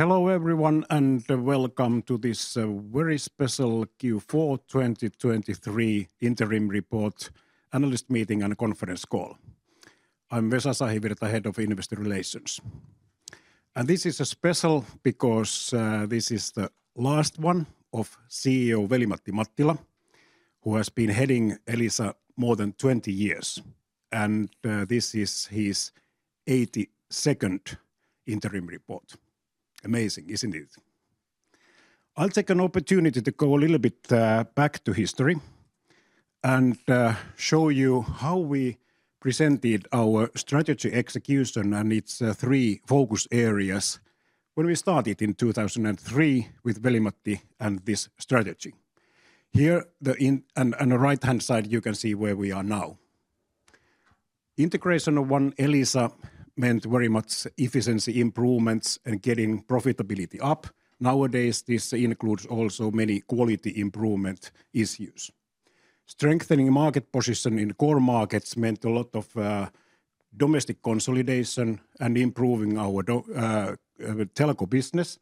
Hello, everyone, and welcome to this very special Q4 2023 interim report, analyst meeting, and conference call. I'm Vesa Sahivirta, Head of Investor Relations. This is special because this is the last one of CEO Veli-Matti Mattila, who has been heading Elisa more than 20 years, and this is his 82nd interim report. Amazing, isn't it? I'll take an opportunity to go a little bit back to history and show you how we presented our strategy execution and its 3 focus areas when we started in 2003 with Veli-Matti and this strategy. Here, and the right-hand side, you can see where we are now. Integration of one Elisa meant very much efficiency improvements and getting profitability up. Nowadays, this includes also many quality improvement issues. Strengthening market position in the core markets meant a lot of domestic consolidation and improving our telco business.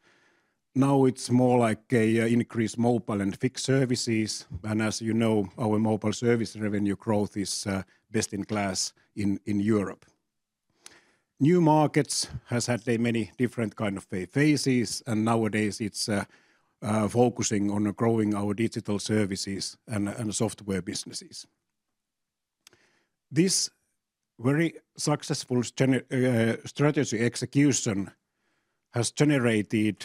Now it's more like a increased mobile and fixed services, and as you know, our mobile service revenue growth is best in class in Europe. New markets has had a many different kind of phases, and nowadays it's focusing on growing our digital services and software businesses. This very successful genius strategy execution has generated,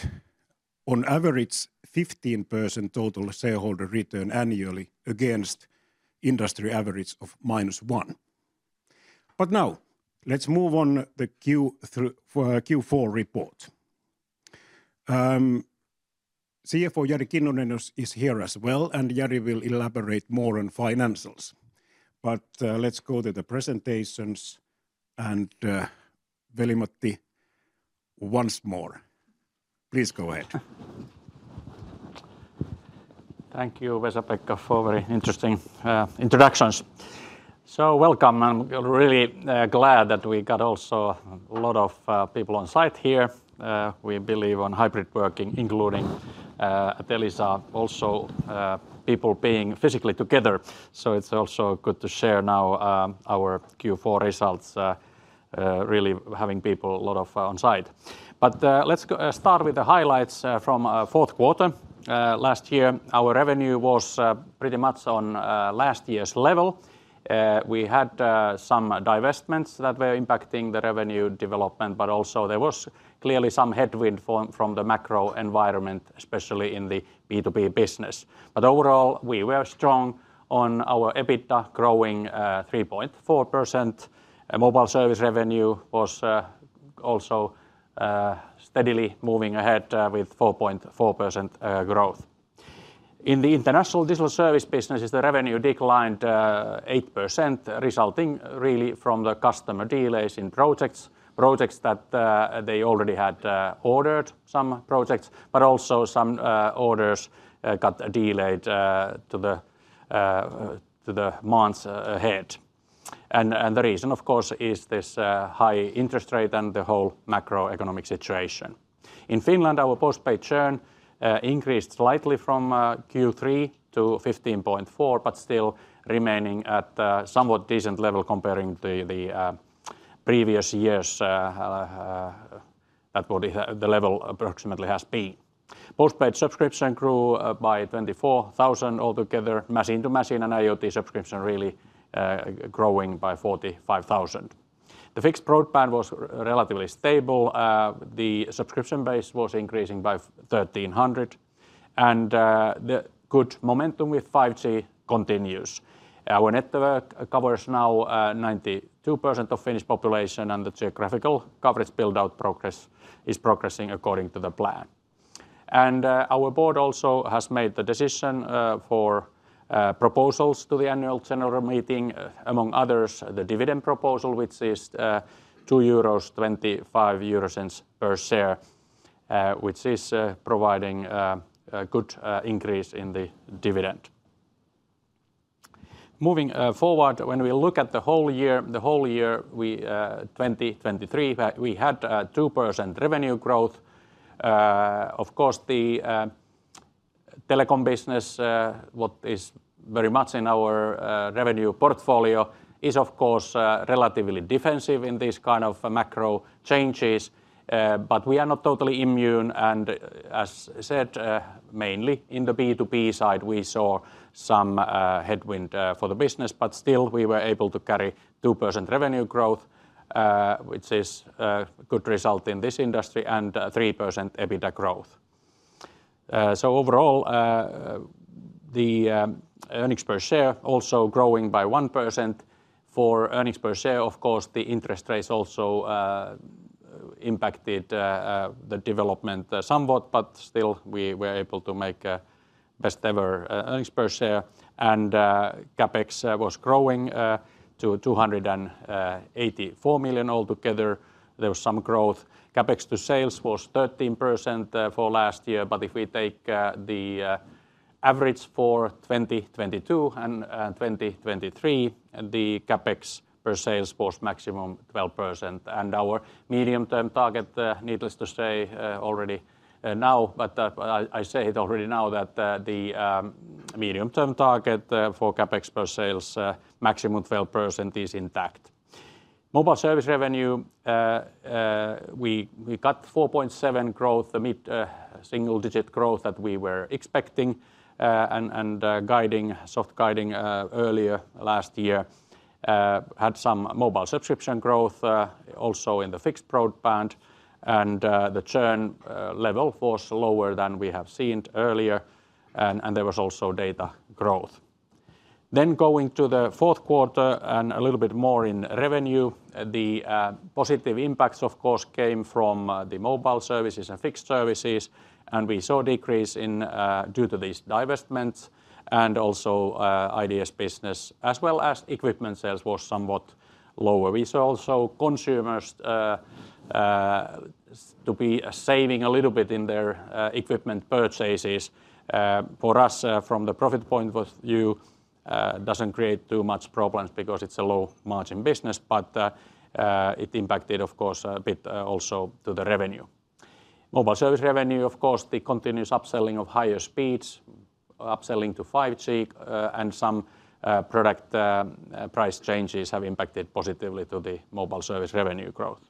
on average, 15% total shareholder return annually against industry average of -1%. But now, let's move on the Q4 report. CFO Jari Kinnunen is here as well, and Jari will elaborate more on financials. But, let's go to the presentations, and, Veli-Matti, once more, please go ahead. Thank you, Vesa-Pekka, for very interesting introductions. So welcome, I'm really glad that we got also a lot of people on site here. We believe on hybrid working, including at Elisa, also people being physically together, so it's also good to share now our Q4 results, really having people a lot of on site. But let's go start with the highlights from fourth quarter. Last year, our revenue was pretty much on last year's level. We had some divestments that were impacting the revenue development, but also there was clearly some headwind from the macro environment, especially in the B2B business. But overall, we were strong on our EBITDA, growing 3.4%. Mobile service revenue was also steadily moving ahead with 4.4% growth. In the international digital service businesses, the revenue declined 8%, resulting really from the customer delays in projects. Projects that they already had ordered, some projects, but also some orders got delayed to the months ahead. And the reason, of course, is this high interest rate and the whole macroeconomic situation. In Finland, our postpaid churn increased slightly from Q3 to 15.4, but still remaining at a somewhat decent level comparing to the previous years that what the level approximately has been. Post-paid subscription grew by 24,000 altogether. Machine-to-machine and IoT subscription really growing by 45,000. The fixed broadband was relatively stable. The subscription base was increasing by 1,300, and the good momentum with 5G continues. Our network covers now 92% of Finnish population, and the geographical coverage build-out progress is progressing according to the plan. Our board also has made the decision for proposals to the annual general meeting. Among others, the dividend proposal, which is 2.25 euros per share, which is providing a good increase in the dividend. Moving forward, when we look at the whole year, the whole year, we 2023, we had 2% revenue growth. Of course, the telecom business what is very much in our revenue portfolio is of course relatively defensive in these kind of macro changes. But we are not totally immune, and as said, mainly in the B2B side, we saw some headwind for the business, but still we were able to carry 2% revenue growth, which is a good result in this industry, and 3% EBITDA growth. So overall, the earnings per share also growing by 1%. For earnings per share, of course, the interest rates also impacted the development somewhat, but still, we were able to make a best ever earnings per share. And CapEx was growing to 284 million altogether. There was some growth. CapEx to sales was 13% for last year, but if we take the average for 2022 and 2023, and the CapEx per sales was maximum 12%. Our medium-term target, needless to say, already now, but I say it already now that the medium-term target for CapEx per sales maximum 12% is intact. Mobile service revenue, we got 4.7% growth, the mid single-digit growth that we were expecting, and guiding, soft guiding, earlier last year. Had some mobile subscription growth, also in the fixed broadband, and the churn level was lower than we have seen earlier, and there was also data growth. Then going to the fourth quarter and a little bit more in revenue, the positive impacts, of course, came from the mobile services and fixed services, and we saw a decrease in due to these divestments and also IDS business, as well as equipment sales was somewhat lower. We saw also consumers to be saving a little bit in their equipment purchases. For us, from the profit point of view, doesn't create too much problems because it's a low-margin business, but it impacted, of course, a bit also to the revenue. Mobile service revenue, of course, the continuous upselling of higher speeds, upselling to 5G, and some product price changes have impacted positively to the mobile service revenue growth.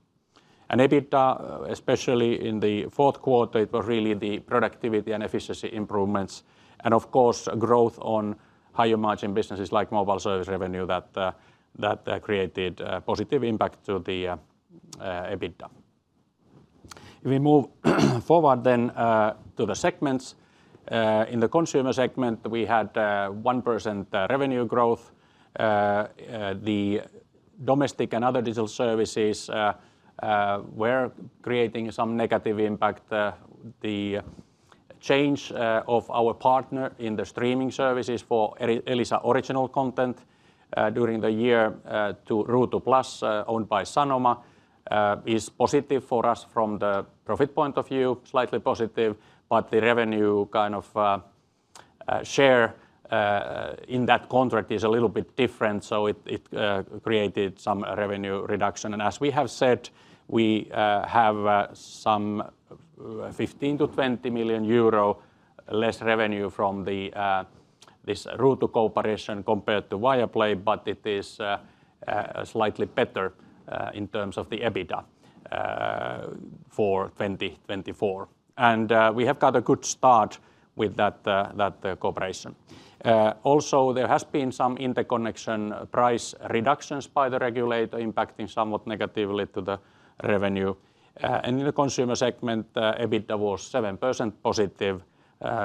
EBITDA, especially in the fourth quarter, it was really the productivity and efficiency improvements and of course, growth on higher-margin businesses like mobile service revenue that that created a positive impact to the EBITDA. If we move forward then to the segments, in the consumer segment, we had 1% revenue growth. The domestic and other digital services were creating some negative impact. The change of our partner in the streaming services for Elisa Original content during the year to Ruutu+, owned by Sanoma, is positive for us from the profit point of view, slightly positive, but the revenue kind of share in that contract is a little bit different, so it it created some revenue reduction. As we have said, we have some 15 million-20 million euro less revenue from this Ruutu cooperation compared to Viaplay, but it is slightly better in terms of the EBITDA for 2024. We have got a good start with that cooperation. Also, there has been some interconnection price reductions by the regulator, impacting somewhat negatively to the revenue. In the consumer segment, EBITDA was 7% positive,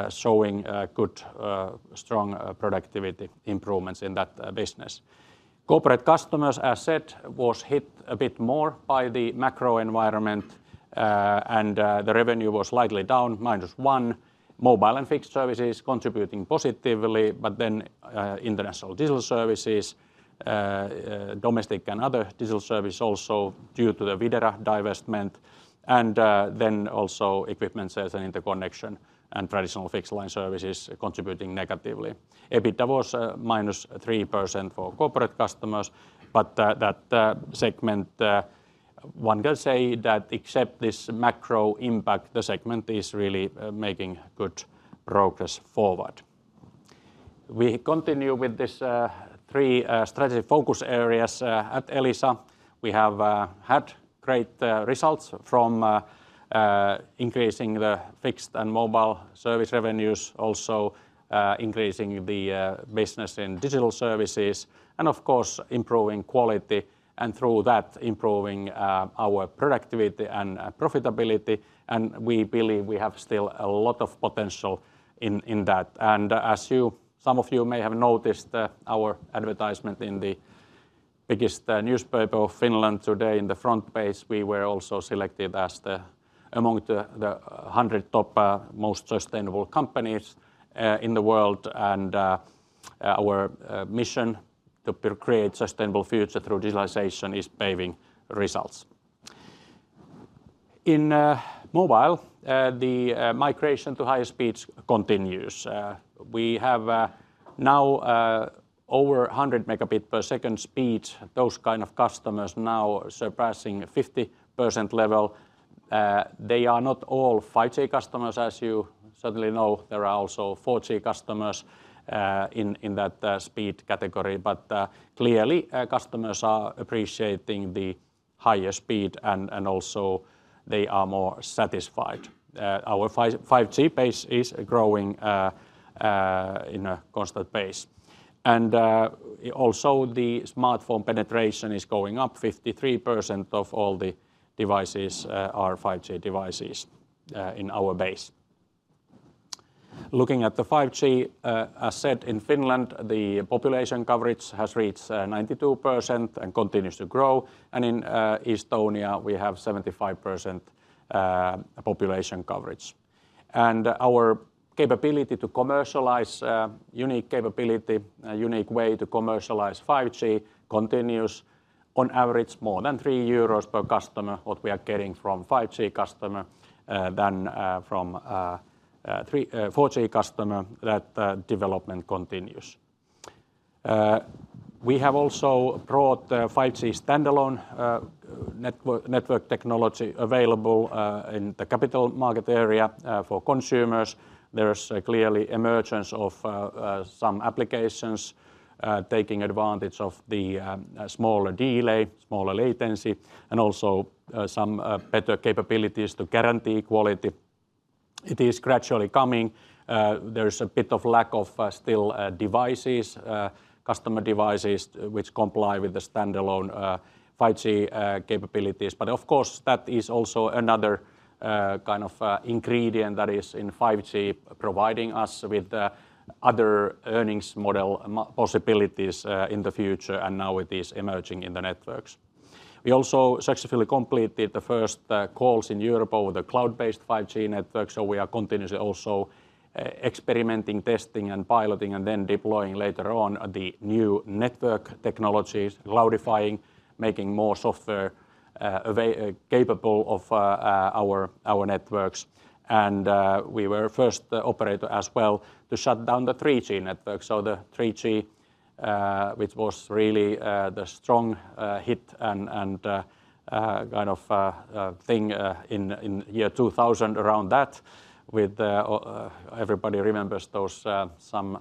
showing good strong productivity improvements in that business. Corporate customers, as said, was hit a bit more by the macro environment, and the revenue was slightly down, -1%. Mobile and fixed services contributing positively, but then, international digital services, domestic and other digital service also, due to the Videra divestment, and, then also equipment sales and interconnection and traditional fixed line services contributing negatively. EBITDA was minus 3% for corporate customers, but that, that, segment, one can say that except this macro impact, the segment is really making good progress forward. We continue with this three strategy focus areas at Elisa. We have had great results from increasing the fixed and mobile service revenues, also increasing the business in digital services, and of course, improving quality, and through that, improving our productivity and profitability, and we believe we have still a lot of potential in that. And as you... Some of you may have noticed our advertisement in the biggest newspaper of Finland today in the front page. We were also selected as the among the hundred top most sustainable companies in the world, and our mission to create sustainable future through digitalization is paying results. In mobile, the migration to higher speeds continues. We have now over 100 Mbps. Those kind of customers now surpassing a 50% level. They are not all 5G customers, as you certainly know. There are also 4G customers in that speed category. But clearly, customers are appreciating the higher speed and also they are more satisfied. Our 5G base is growing in a constant pace. Also, the smartphone penetration is going up. 53% of all the devices are 5G devices in our base. Looking at the 5G, as said in Finland, the population coverage has reached 92% and continues to grow, and in Estonia, we have 75% population coverage. Our capability to commercialize unique capability, a unique way to commercialize 5G continues. On average, more than 3 euros per customer, what we are getting from 5G customer, than from the 4G customer. That development continues. We have also brought the 5G standalone network network technology available in the capital market area for consumers. There's clearly emergence of some applications taking advantage of the smaller delay, smaller latency, and also some better capabilities to guarantee quality. It is gradually coming. There's a bit of lack of still devices, customer devices which comply with the standalone 5G capabilities. But of course, that is also another kind of ingredient that is in 5G, providing us with other earnings model possibilities in the future, and now it is emerging in the networks. We also successfully completed the first calls in Europe over the cloud-based 5G network, so we are continuously also experimenting, testing, and piloting, and then deploying later on the new network technologies, cloudifying, making more software capable of our networks. And, we were first operator as well to shut down the 3G network. So the 3G, which was really the strong hit and kind of thing in the year 2000, around that... Everybody remembers those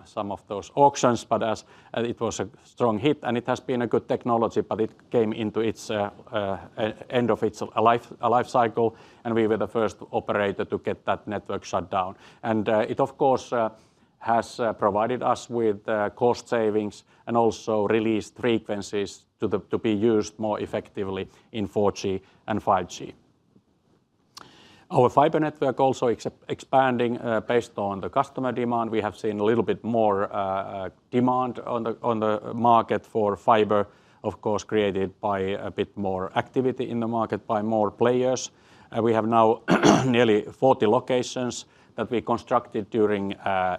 some of those auctions, but it was a strong hit, and it has been a good technology, but it came into its end of its life cycle, and we were the first operator to get that network shut down. And, it, of course, has provided us with cost savings and also released frequencies to be used more effectively in 4G and 5G. Our fiber network also expanding based on the customer demand. We have seen a little bit more demand on the market for fiber, of course, created by a bit more activity in the market by more players. We have now nearly 40 locations that we constructed during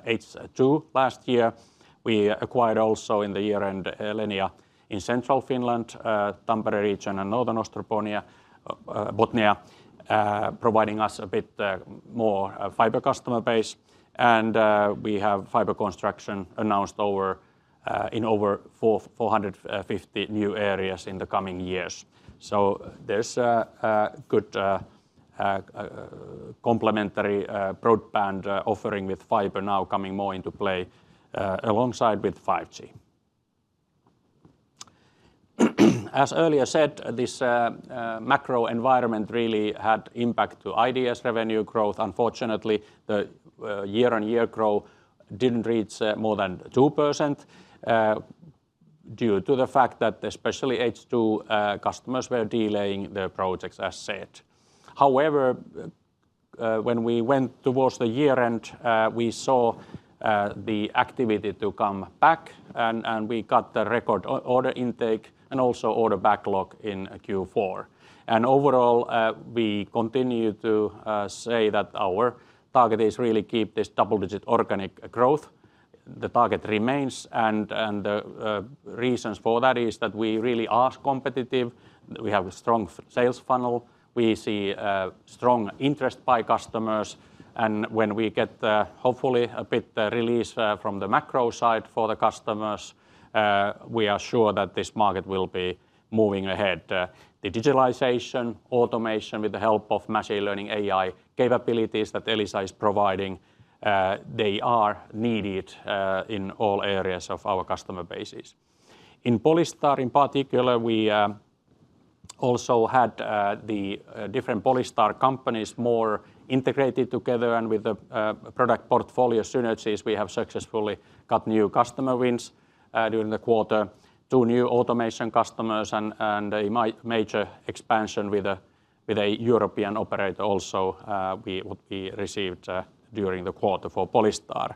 H2 last year. We acquired also in the year-end Elenia in Central Finland, Tampere region and Northern Ostrobothnia providing us a bit more fiber customer base. We have fiber construction announced over in over 450 new areas in the coming years. So there's a good complementary broadband offering with fiber now coming more into play alongside with 5G. As earlier said, this macro environment really had impact to IDS's revenue growth. Unfortunately, the year-on-year growth didn't reach more than 2%, due to the fact that especially H2 customers were delaying their projects, as said. However, when we went towards the year-end, we saw the activity to come back, and we got the record order intake and also order backlog in Q4. And overall, we continue to say that our target is really keep this double-digit organic growth. The target remains, and reasons for that is that we really are competitive. We have a strong sales funnel. We see strong interest by customers, and when we get hopefully a bit release from the macro side for the customers, we are sure that this market will be moving ahead. The digitalization, automation with the help of machine learning, AI capabilities that Elisa is providing, they are needed in all areas of our customer bases. In Polystar in particular, we also had the different Polystar companies more integrated together and with the product portfolio synergies, we have successfully got new customer wins during the quarter. Two new automation customers and a major expansion with a European operator also, what we received during the quarter for Polystar.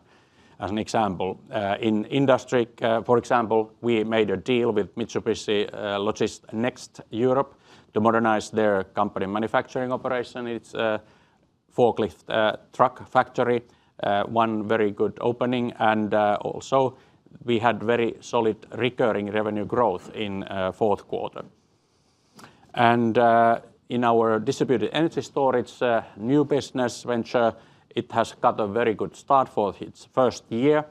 As an example, in industry, for example, we made a deal with Mitsubishi Logisnext Europe to modernize their company manufacturing operation. It's a forklift truck factory, one very good opening, and also, we had very solid recurring revenue growth in fourth quarter. In our distributed energy storage, new business venture, it has got a very good start for its first year,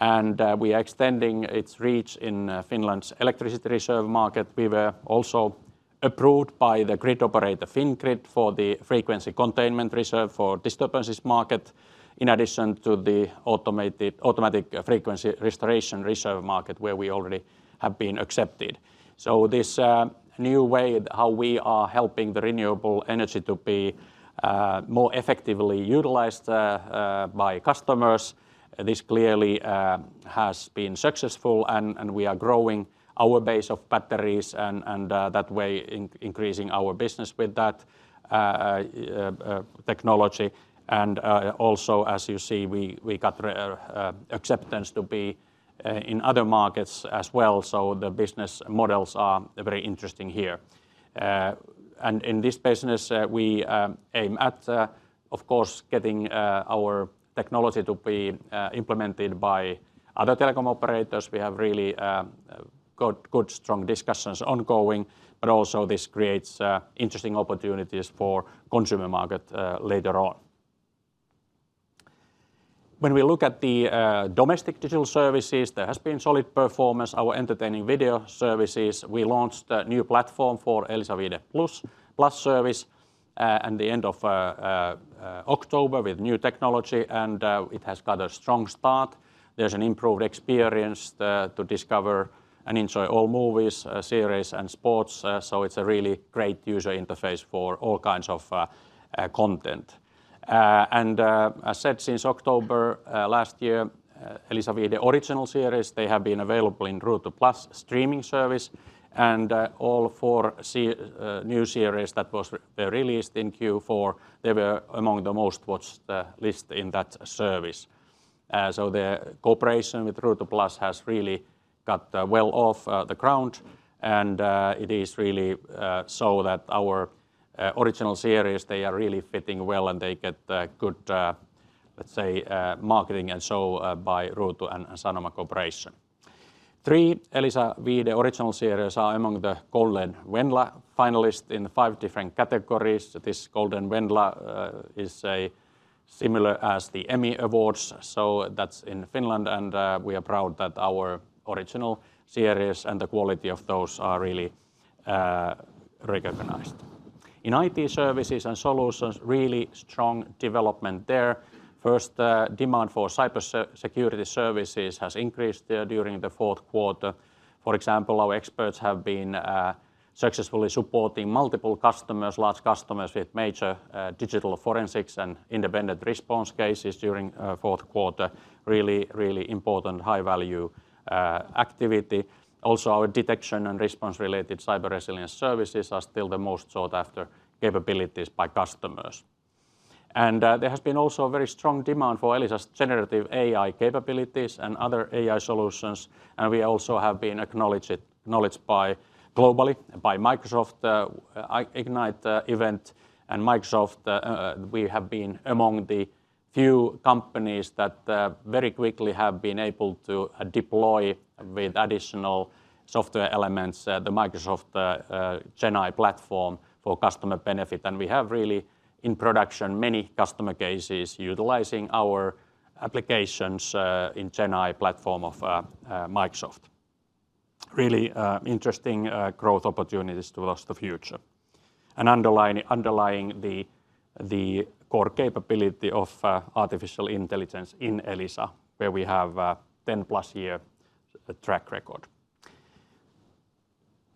and we are extending its reach in Finland's electricity reserve market. We were also approved by the grid operator, Fingrid, for the Frequency Containment Reserve for Disturbances market, in addition to the Automatic Frequency Restoration Reserve market, where we already have been accepted. So this new way, how we are helping the renewable energy to be more effectively utilized by customers, this clearly has been successful, and we are growing our base of batteries and that way increasing our business with that technology. And also, as you see, we got acceptance to be in other markets as well, so the business models are very interesting here... In this business, we aim at, of course, getting our technology to be implemented by other telecom operators. We have really good strong discussions ongoing, but also this creates interesting opportunities for consumer market later on. When we look at the domestic digital services, there has been solid performance. Our entertaining video services, we launched a new platform for Elisa Viihde Plus service in the end of October with new technology, and it has got a strong start. There's an improved experience to discover and enjoy all movies, series, and sports. So it's a really great user interface for all kinds of content. As said, since October last year, Elisa Viihde Original series, they have been available in Ruutu+ streaming service, and all four new series that was released in Q4, they were among the most watched list in that service. So the cooperation with Ruutu+ has really got well off the ground, and it is really so that our Original series, they are really fitting well, and they get good, let's say, marketing and so by Ruutu+ and Sanoma Corporation. Three Elisa Viihde Original series are among the Golden Venla finalists in five different categories. This Golden Venla is a similar as the Emmy Awards, so that's in Finland, and we are proud that our Original series and the quality of those are really recognized. In IT services and solutions, really strong development there. First, demand for cybersecurity services has increased during the fourth quarter. For example, our experts have been successfully supporting multiple customers, large customers with major digital forensics and independent response cases during fourth quarter. Really, really important high-value activity. Also, our detection and response-related cyber resilience services are still the most sought-after capabilities by customers. And there has been also a very strong demand for Elisa's generative AI capabilities and other AI solutions, and we also have been acknowledged globally by Microsoft Ignite event and Microsoft. We have been among the few companies that very quickly have been able to deploy with additional software elements the Microsoft GenAI platform for customer benefit. We have really, in production, many customer cases utilizing our applications, in GenAI platform of Microsoft. Really, interesting, growth opportunities towards the future. And underlying the core capability of artificial intelligence in Elisa, where we have a 10+ year track record.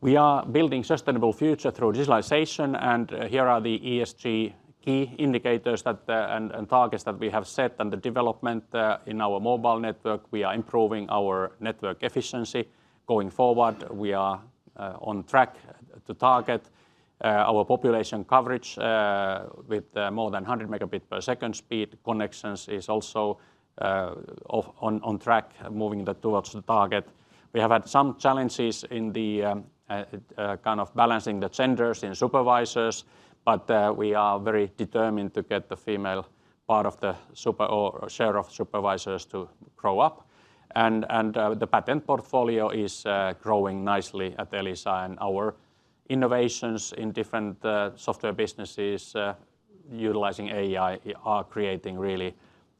We are building sustainable future through digitalization, and here are the ESG key indicators that and targets that we have set and the development. In our mobile network, we are improving our network efficiency. Going forward, we are on track to target. Our population coverage with more than 100 Mbps speed connections is also on track, moving towards the target. We have had some challenges in the kind of balancing the genders in supervisors, but we are very determined to get the female part of the or share of supervisors to grow up. The patent portfolio is growing nicely at Elisa, and our innovations in different software businesses utilizing AI are creating really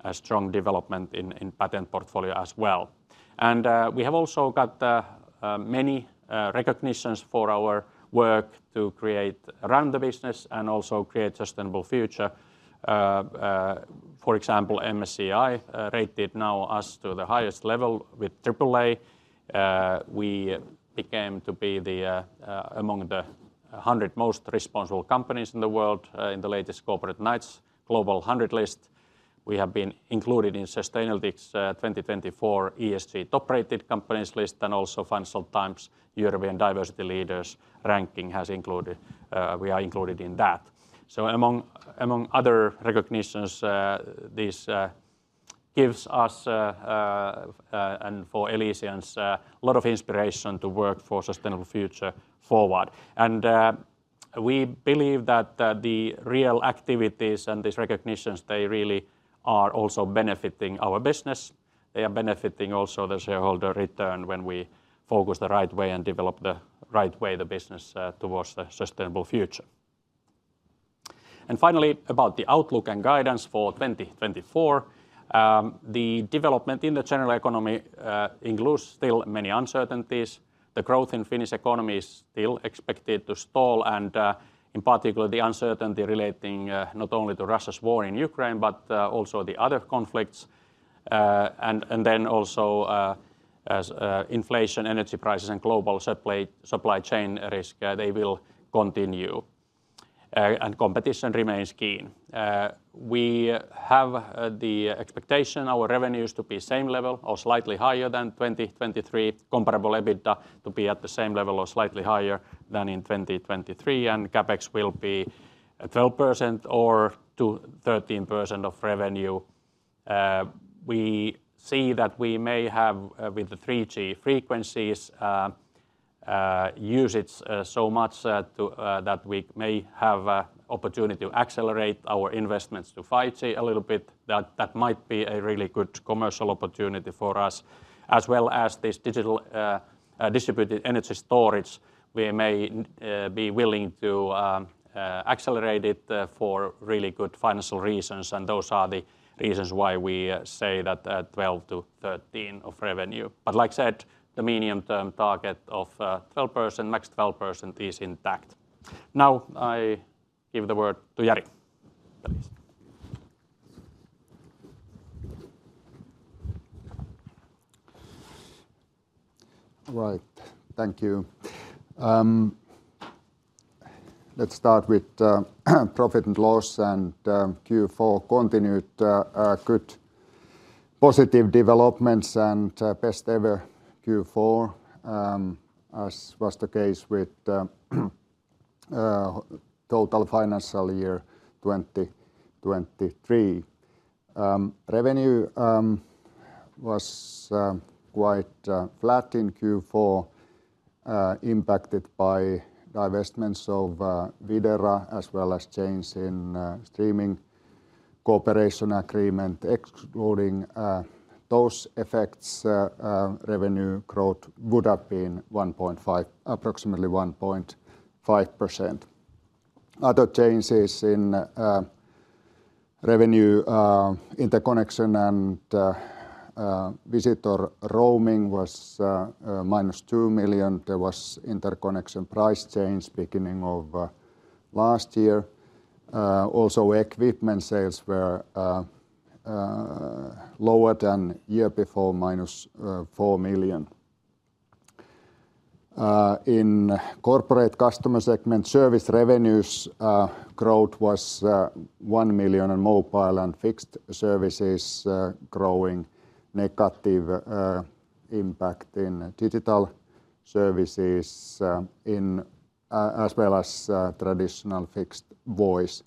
a strong development in patent portfolio as well. We have also got many recognitions for our work to create around the business and also create sustainable future. For example, MSCI rated now us to the highest level with triple A. We became to be the among the 100 most responsible companies in the world in the latest Corporate Knights Global Hundred list. We have been included in Sustainalytics' 2024 ESG Top-Rated Companies list, and also Financial Times European Diversity Leaders ranking has included—we are included in that. So among other recognitions, this and for Elisians a lot of inspiration to work for sustainable future forward. We believe that the real activities and these recognitions, they really are also benefiting our business. They are benefiting also the shareholder return when we focus the right way and develop the right way, the business towards the sustainable future. Finally, about the outlook and guidance for 2024. The development in the general economy includes still many uncertainties. The growth in Finnish economy is still expected to stall, and, in particular, the uncertainty relating not only to Russia's war in Ukraine, but also the other conflicts. And, and then also, as inflation, energy prices, and global supply chain risk, they will continue, and competition remains keen. We have the expectation our revenues to be same level or slightly higher than 2023, comparable EBITDA to be at the same level or slightly higher than in 2023, and CapEx will be at 12% or to 13% of revenue. We see that we may have with the 3G frequencies use it so much to that we may have a opportunity to accelerate our investments to 5G a little bit. That might be a really good commercial opportunity for us, as well as this digital distributed energy storage. We may be willing to accelerate it for really good financial reasons, and those are the reasons why we say that 12%-13% of revenue. But like I said, the medium-term target of 12%, max 12%, is intact. Now, I give the word to Jari. Jari? Right. Thank you. Let's start with profit and loss, and Q4 continued good positive developments and best-ever Q4, as was the case with total financial year 2023. Revenue was quite flat in Q4, impacted by divestments of Videra, as well as change in streaming cooperation agreement. Excluding those effects, revenue growth would have been 1.5%—approximately 1.5%. Other changes in revenue, interconnection and visitor roaming was -2 million. There was interconnection price change beginning of last year. Also equipment sales were lower than year before, -4 million. In corporate customer segment, service revenues growth was 1 million, and mobile and fixed services growing. Negative impact in digital services, in, as well as traditional fixed voice.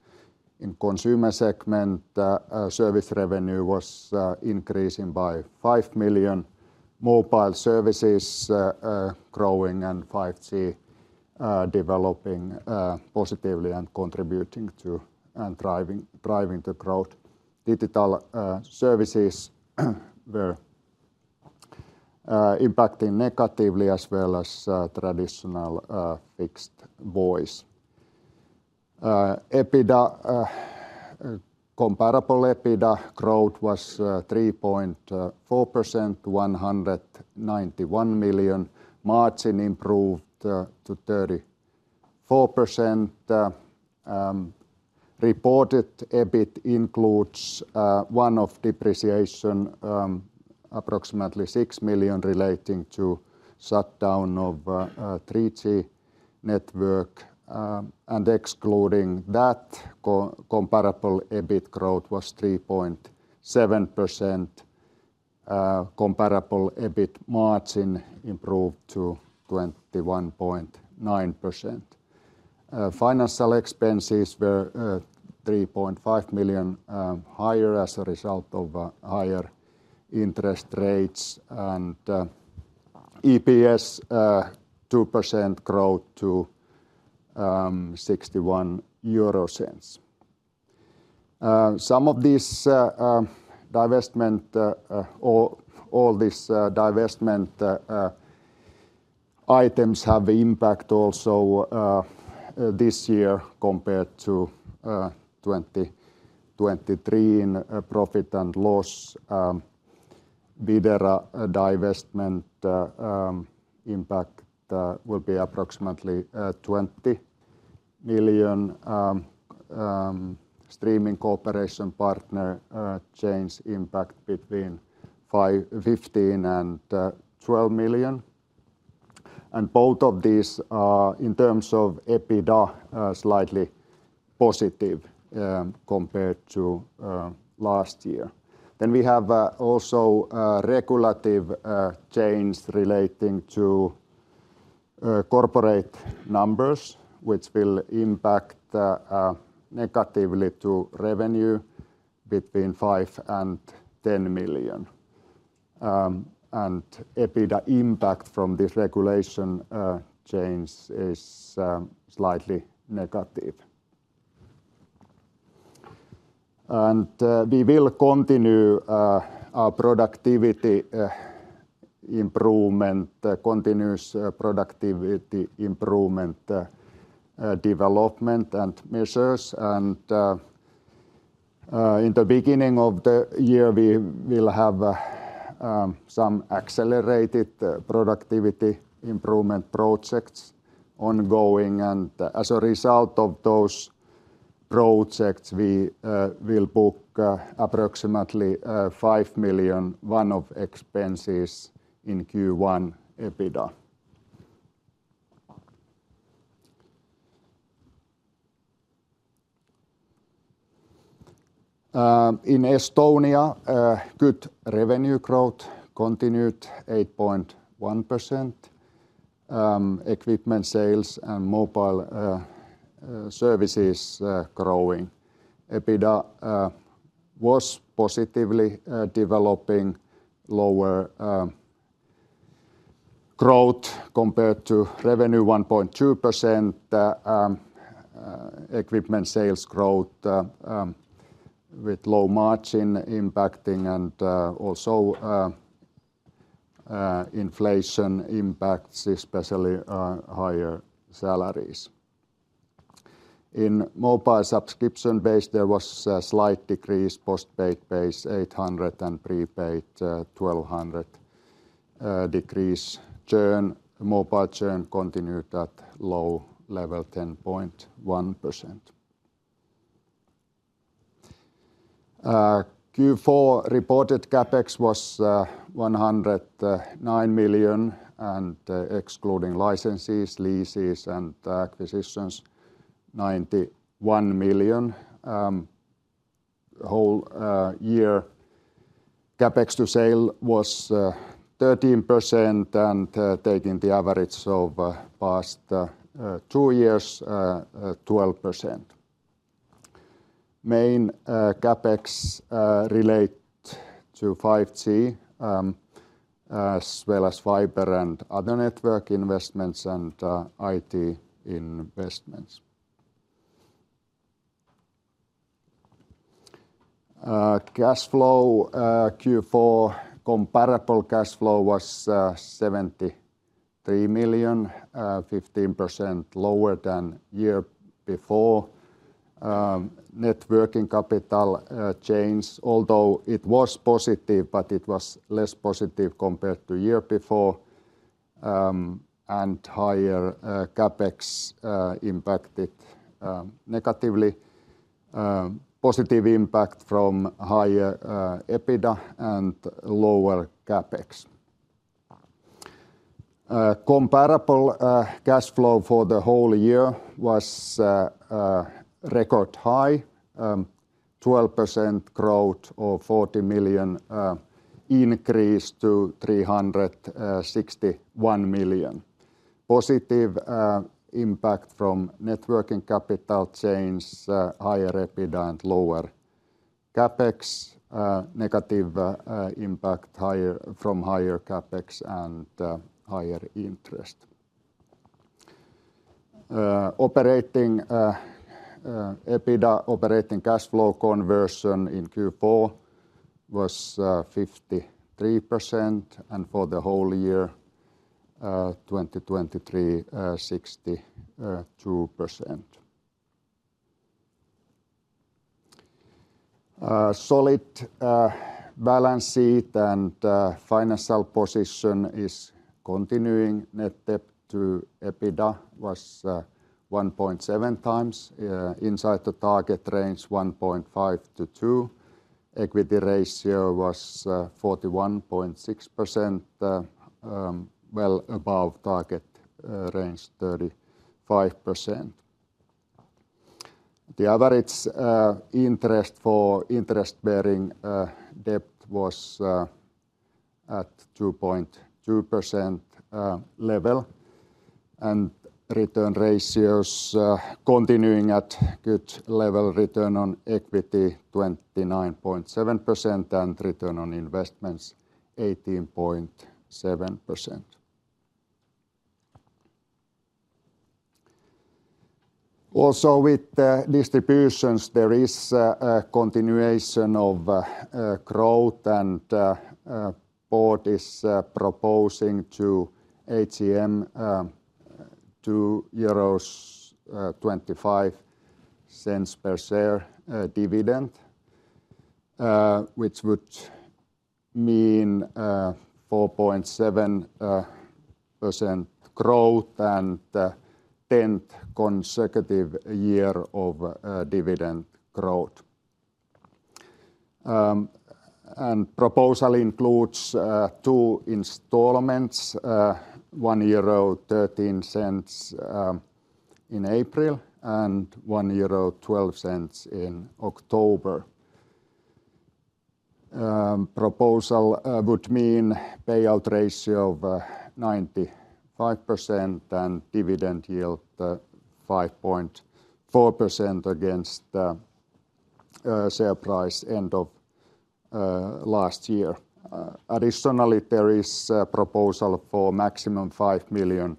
In consumer segment, service revenue was increasing by 5 million. Mobile services growing, and 5G developing positively and contributing to and driving the growth. Digital services were impacting negatively as well as traditional fixed voice. EBITDA comparable EBITDA growth was 3.4%, 191 million. Margin improved to 34%. Reported EBIT includes one-off depreciation approximately 6 million relating to shutdown of 3G network. And excluding that comparable EBIT growth was 3.7%. Comparable EBIT margin improved to 21.9%. Financial expenses were 3.5 million higher as a result of higher interest rates. EPS 2% growth to 0.61. Some of these, or all these, divestment items have impact also this year compared to 2023 in profit and loss. Videra divestment impact will be approximately 20 million. Streaming cooperation partner change impact between 5-15 million and 12 million. Both of these are, in terms of EBITDA, slightly positive compared to last year. We have also regulatory changes relating to corporate numbers, which will impact negatively to revenue between 5 million and 10 million. EBITDA impact from this regulatory change is slightly negative. We will continue our productivity improvement, continuous productivity improvement development and measures. In the beginning of the year, we will have some accelerated productivity improvement projects ongoing. And as a result of those projects, we will book approximately 5 million one-off expenses in Q1 EBITDA. In Estonia, good revenue growth continued, 8.1%. Equipment sales and mobile services growing. EBITDA was positively developing, lower growth compared to revenue, 1.2%. Equipment sales growth with low margin impacting and also inflation impacts, especially higher salaries. In mobile subscription base, there was a slight decrease, postpaid base 800, and prepaid 1,200 decrease. Churn, mobile churn continued at low level, 10.1%. Q4 reported CapEx was 109 million, and excluding licenses, leases, and acquisitions, 91 million. Whole year CapEx to sale was 13%, and taking the average of past two years, 12%. Main CapEx relate to 5G, as well as fiber and other network investments, and IT investments. Cash flow, Q4 comparable cash flow was 73 million, 15% lower than year before. Net working capital change, although it was positive, but it was less positive compared to year before, and higher CapEx impacted negatively. Positive impact from higher EBITDA and lower CapEx. Comparable cash flow for the whole year was a record high, 12% growth or 40 million increase to 361 million. Positive impact from net working capital changes, higher EBITDA and lower CapEx. Negative impact from higher CapEx and higher interest. Operating EBITDA operating cash flow conversion in Q4 was 53%, and for the whole year, 2023, 62%. Solid balance sheet and financial position is continuing. Net debt to EBITDA was 1.7 times, inside the target range, 1.5-2. Equity ratio was 41.6%, well above target range 35%. The average interest for interest-bearing debt was at 2.2% level, and return ratios continuing at good level. Return on equity 29.7%, and return on investments 18.7%. Also, with the distributions, there is a continuation of growth and board is proposing to AGM EUR 2.25 per share dividend, which would mean 4.7% growth and 10th consecutive year of dividend growth. Proposal includes two installments, 1.13 euro in April, and 1.12 euro in October. Proposal would mean payout ratio of 95% and dividend yield 5.4% against the share price end of last year. Additionally, there is a proposal for maximum 5 million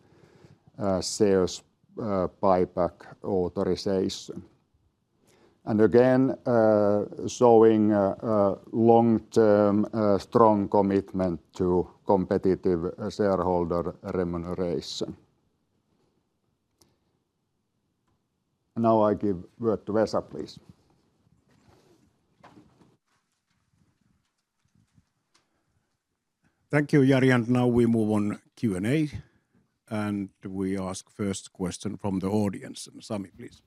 shares buyback authorization, and again, showing a long-term strong commitment to competitive shareholder remuneration. Now I give word to Vesa, please. Thank you, Jari, and now we move on Q&A, and we ask first question from the audience. Sami, please.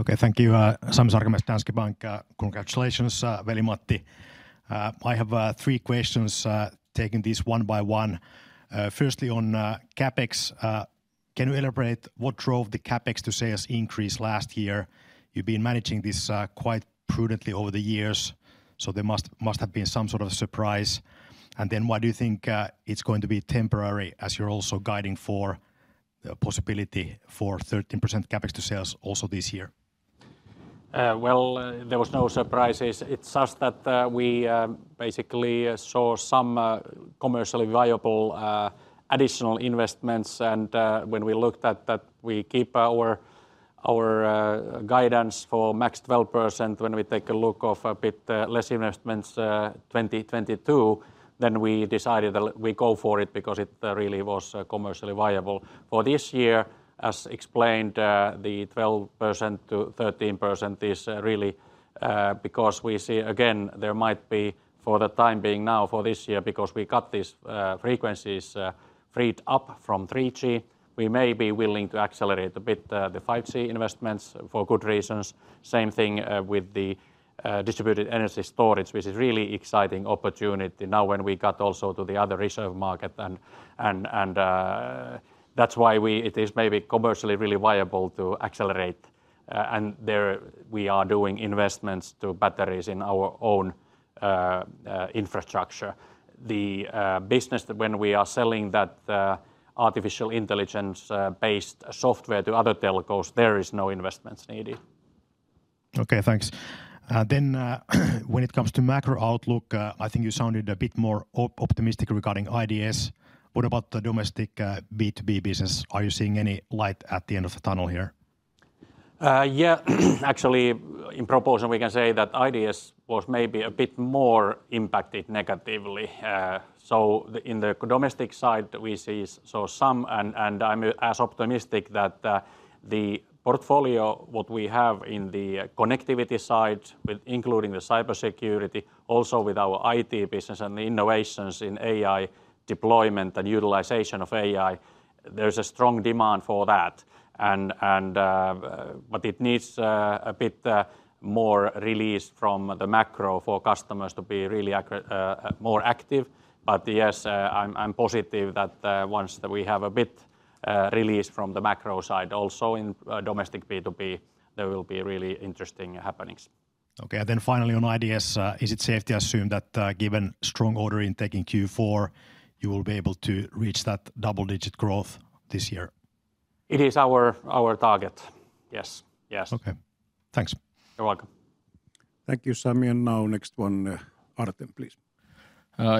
Okay, thank you. Sami Sarkamies, Danske Bank. Congratulations, Veli-Matti. I have three questions, taking these one by one. Firstly, on CapEx. Can you elaborate what drove the CapEx to sales increase last year? You've been managing this quite prudently over the years, so there must have been some sort of surprise. And then why do you think it's going to be temporary, as you're also guiding for the possibility for 13% CapEx to sales also this year? Well, there was no surprises. It's just that, we basically saw some commercially viable additional investments. And, when we looked at that, we keep our guidance for max 12%. When we take a look of a bit less investments 2022, then we decided that we go for it, because it really was commercially viable. For this year, as explained, the 12%-13% is really because we see, again, there might be, for the time being now, for this year, because we got this frequencies freed up from 3G, we may be willing to accelerate a bit the 5G investments for good reasons. Same thing with the distributed energy storage, which is really exciting opportunity now when we got also to the other reserve market. That's why it is maybe commercially really viable to accelerate. There we are doing investments to batteries in our own infrastructure. The business that when we are selling that artificial intelligence based software to other telcos, there is no investments needed. Okay, thanks. When it comes to macro outlook, I think you sounded a bit more optimistic regarding IDS. What about the domestic B2B business? Are you seeing any light at the end of the tunnel here? Yeah. Actually, in proportion, we can say that IDS was maybe a bit more impacted negatively. In the domestic side we see... I'm as optimistic that the portfolio, what we have in the connectivity side, with including the cybersecurity, also with our IT business and the innovations in AI deployment and utilization of AI, there's a strong demand for that. But it needs a bit more release from the macro for customers to be really more active. But yes, I'm positive that once we have a bit release from the macro side, also in domestic B2B, there will be really interesting happenings. Okay. And then finally, on IDS, is it safe to assume that, given strong order in tech in Q4, you will be able to reach that double-digit growth this year? It is our target. Yes. Yes. Okay. Thanks. You're welcome. Thank you, Sami. And now next one, Artem, please.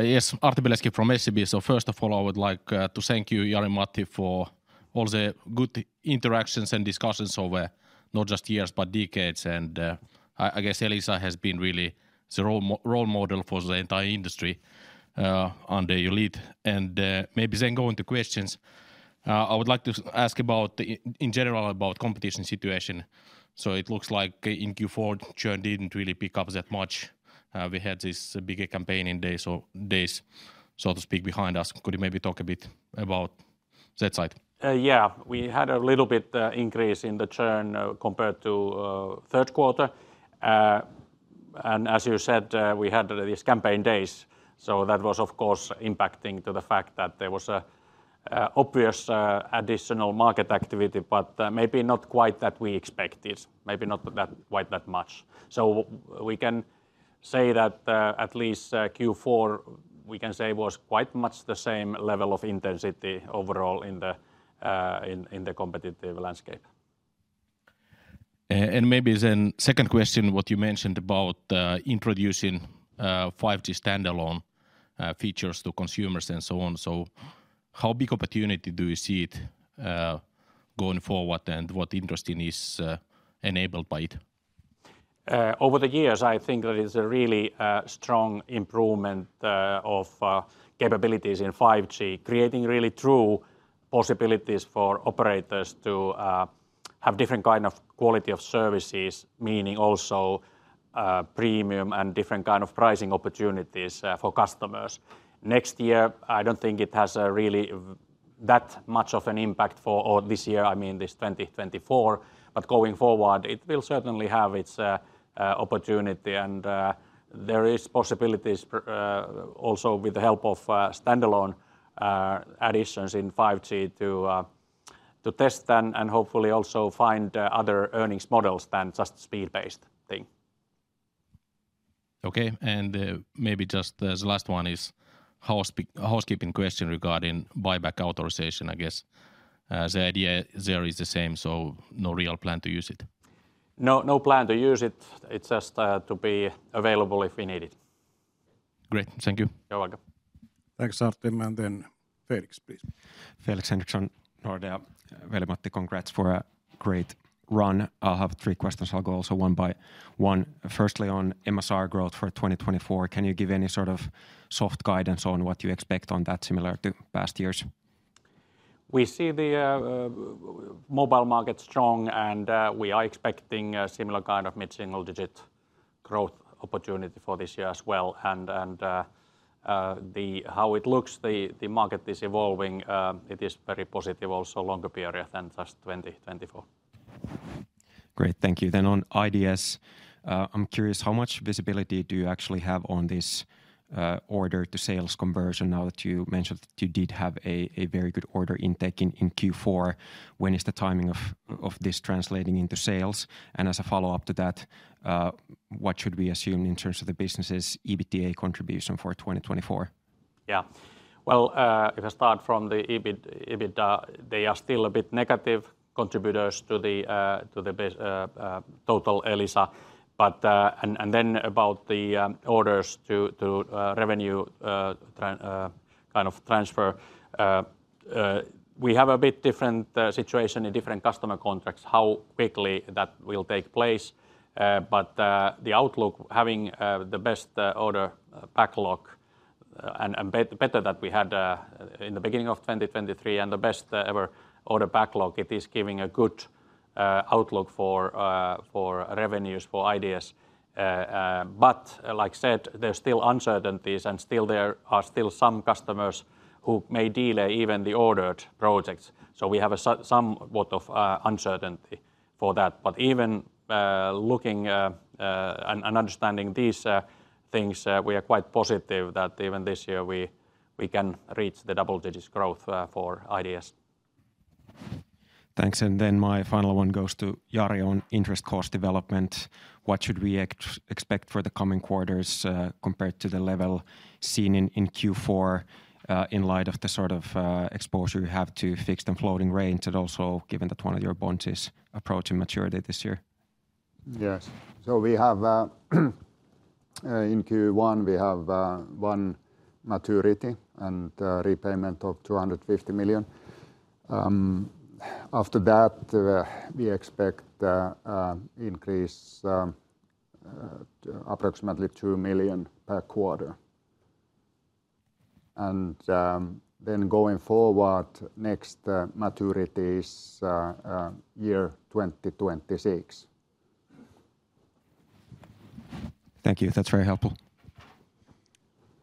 Yes, Artem Beletski from SEB. So first of all, I would like to thank you, Veli-Matti, for all the good interactions and discussions over not just years, but decades. I guess Elisa has been really the role model for the entire industry under your lead. Maybe then going to questions, I would like to ask about the... In general, about competition situation. So it looks like in Q4, churn didn't really pick up that much. We had this bigger campaigning days, so to speak, behind us. Could you maybe talk a bit about that side? Yeah. We had a little bit increase in the churn compared to third quarter. And as you said, we had these campaign days, so that was, of course, impacting to the fact that there was a obvious additional market activity, but maybe not quite that we expected, maybe not that quite that much. So we can say that at least Q4 we can say was quite much the same level of intensity overall in the competitive landscape. And maybe then, second question, what you mentioned about introducing 5G standalone features to consumers and so on. So how big opportunity do you see it going forward, and what interesting is enabled by it? Over the years, I think there is a really strong improvement of capabilities in 5G, creating really true possibilities for operators to have different kind of quality of services, meaning also premium and different kind of pricing opportunities for customers. Next year, I don't think it has a really that much of an impact... Or this year, I mean, this 2024. But going forward, it will certainly have its opportunity. And there is possibilities also with the help of standalone additions in 5G to test and hopefully also find other earnings models than just speed-based thing. Okay. And, maybe just as the last one is housekeeping question regarding buyback authorization. I guess, the idea there is the same, so no real plan to use it? No, no plan to use it. It's just, to be available if we need it. Great. Thank you. You're welcome. Thanks, Artem. And then Felix, please. Felix Henriksson, Nordea. Veli-Matti, congrats for a great run. I'll have three questions. I'll go also one by one. Firstly, on MSR growth for 2024, can you give any sort of soft guidance on what you expect on that similar to past years? We see the mobile market strong, and we are expecting a similar kind of mid-single-digit growth opportunity for this year as well. And how it looks, the market is evolving, it is very positive, also longer period than just 2024.... Great. Thank you. Then on IDS, I'm curious, how much visibility do you actually have on this, order to sales conversion now that you mentioned you did have a very good order intake in Q4? When is the timing of this translating into sales? And as a follow-up to that, what should we assume in terms of the business's EBITDA contribution for 2024? Yeah. Well, if I start from the EBIT, EBITDA, they are still a bit negative contributors to the base total Elisa. But. And then about the orders to revenue transfer, we have a bit different situation in different customer contracts, how quickly that will take place. But the outlook, having the best order backlog, and better that we had in the beginning of 2023, and the best ever order backlog, it is giving a good outlook for revenues for IDS. But like I said, there's still uncertainties, and still there are still some customers who may delay even the ordered projects. So we have a somewhat of uncertainty for that. But even looking and understanding these things, we are quite positive that even this year, we can reach double-digit growth for IDS. Thanks. And then my final one goes to Jari on interest cost development. What should we expect for the coming quarters, compared to the level seen in Q4, in light of the sort of exposure you have to fixed and floating rates, and also given that one of your bonds is approaching maturity this year? Yes. So we have, in Q1, we have one maturity and repayment of 250 million. After that, we expect increase approximately EUR 2 million per quarter. And then going forward, next maturity is year 2026. Thank you. That's very helpful.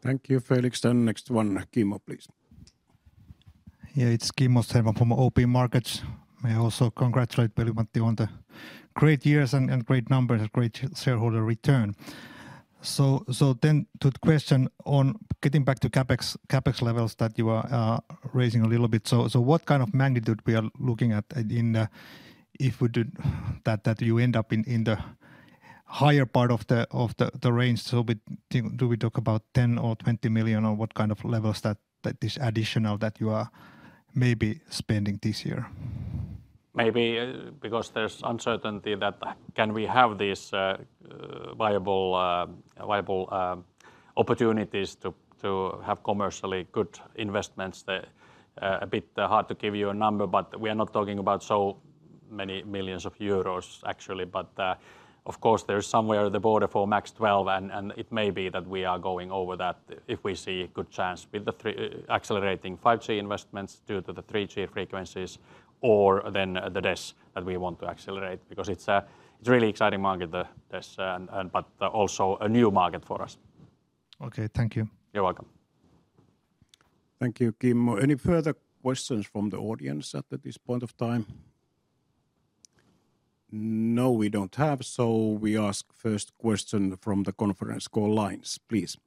Thank you, Felix. Then next one, Kimmo, please. Yeah, it's Kimmo Stenvall from OP Markets. I also congratulate Veli-Matti on the great years and great numbers and great shareholder return. So then to the question on getting back to CapEx, CapEx levels that you are raising a little bit. So what kind of magnitude we are looking at in the... If we did that, you end up in the higher part of the range? So we-- Do we talk about 10 million or 20 million, or what kind of levels that this additional that you are maybe spending this year? Maybe, because there's uncertainty that can we have this viable opportunities to have commercially good investments? They're a bit hard to give you a number, but we are not talking about so many millions of EUR, actually. But, of course, there's somewhere in the border for max 12, and it may be that we are going over that if we see a good chance with the 3G accelerating 5G investments due to the 3G frequencies, or then the DES that we want to accelerate, because it's a really exciting market, the DES, and but also a new market for us. Okay. Thank you. You're welcome. Thank you, Kimmo. Any further questions from the audience at this point of time? No, we don't have, so we ask first question from the conference call lines, please.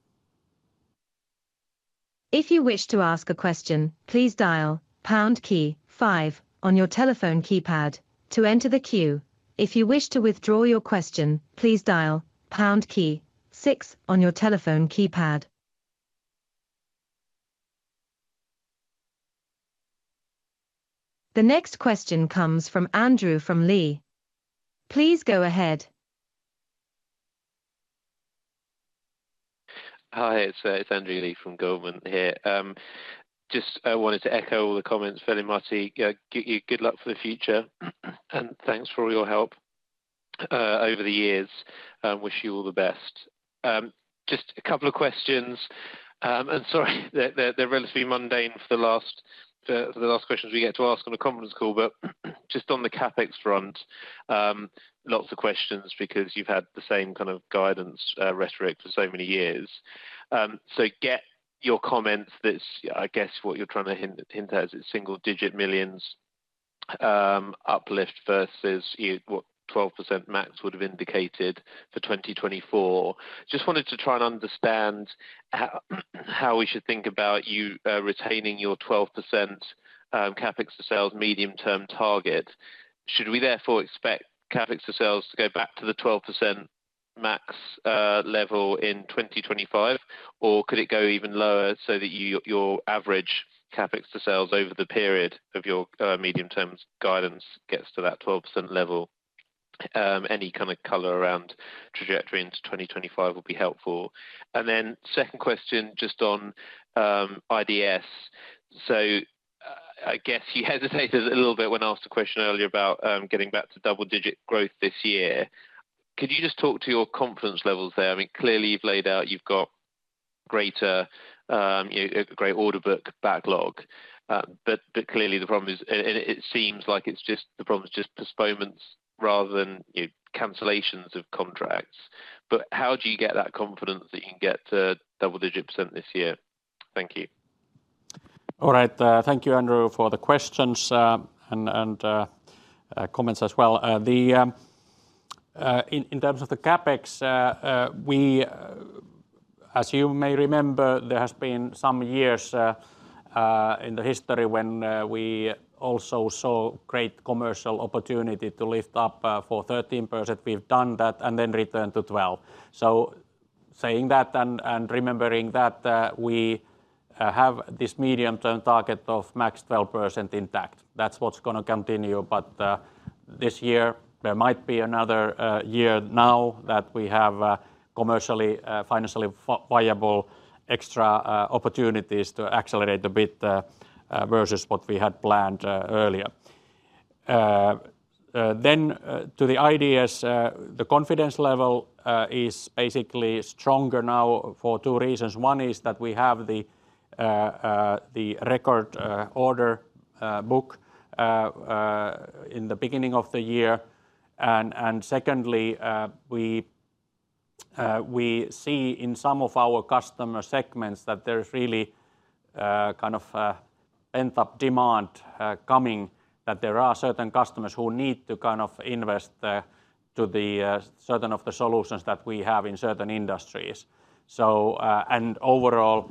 If you wish to ask a question, please dial pound key five on your telephone keypad to enter the queue. If you wish to withdraw your question, please dial pound key six on your telephone keypad. The next question comes from Andrew Lee. Please go ahead. Hi, it's Andrew Lee from Goldman here. Just wanted to echo the comments, Veli-Matti. Good luck for the future, and thanks for all your help over the years. Wish you all the best. Just a couple of questions, and sorry, they're relatively mundane for the last questions we get to ask on a conference call. But just on the CapEx front, lots of questions because you've had the same kind of guidance rhetoric for so many years. So get your comments. That's, I guess, what you're trying to hint at is it's single-digit millions uplift versus what 12% max would have indicated for 2024. Just wanted to try and understand how we should think about you retaining your 12% CapEx to sales medium-term target. Should we therefore expect CapEx to sales to go back to the 12% max level in 2025, or could it go even lower so that your average CapEx to sales over the period of your medium-term guidance gets to that 12% level? Any kind of color around trajectory into 2025 would be helpful. And then second question, just on IDS. So I guess you hesitated a little bit when I asked a question earlier about getting back to double-digit growth this year. Could you just talk to your confidence levels there? I mean, clearly, you've laid out you've got greater, you know, a great order book backlog. But clearly, the problem is... It seems like it's just the problem is just postponements rather than, you know, cancellations of contracts. But how do you get that confidence that you can get to double-digit % this year? Thank you. All right, thank you, Andrew, for the questions, and comments as well. In terms of the CapEx, as you may remember, there has been some years in the history when we also saw great commercial opportunity to lift up for 13%. We've done that and then returned to 12. So saying that and remembering that, we have this medium-term target of max 12% intact, that's what's gonna continue. But this year there might be another year now that we have a commercially, financially viable extra opportunities to accelerate a bit versus what we had planned earlier. Then to the ideas, the confidence level is basically stronger now for two reasons. One is that we have the record order book in the beginning of the year. And secondly, we see in some of our customer segments that there's really kind of pent-up demand coming, that there are certain customers who need to kind of invest to the certain of the solutions that we have in certain industries. So, and overall,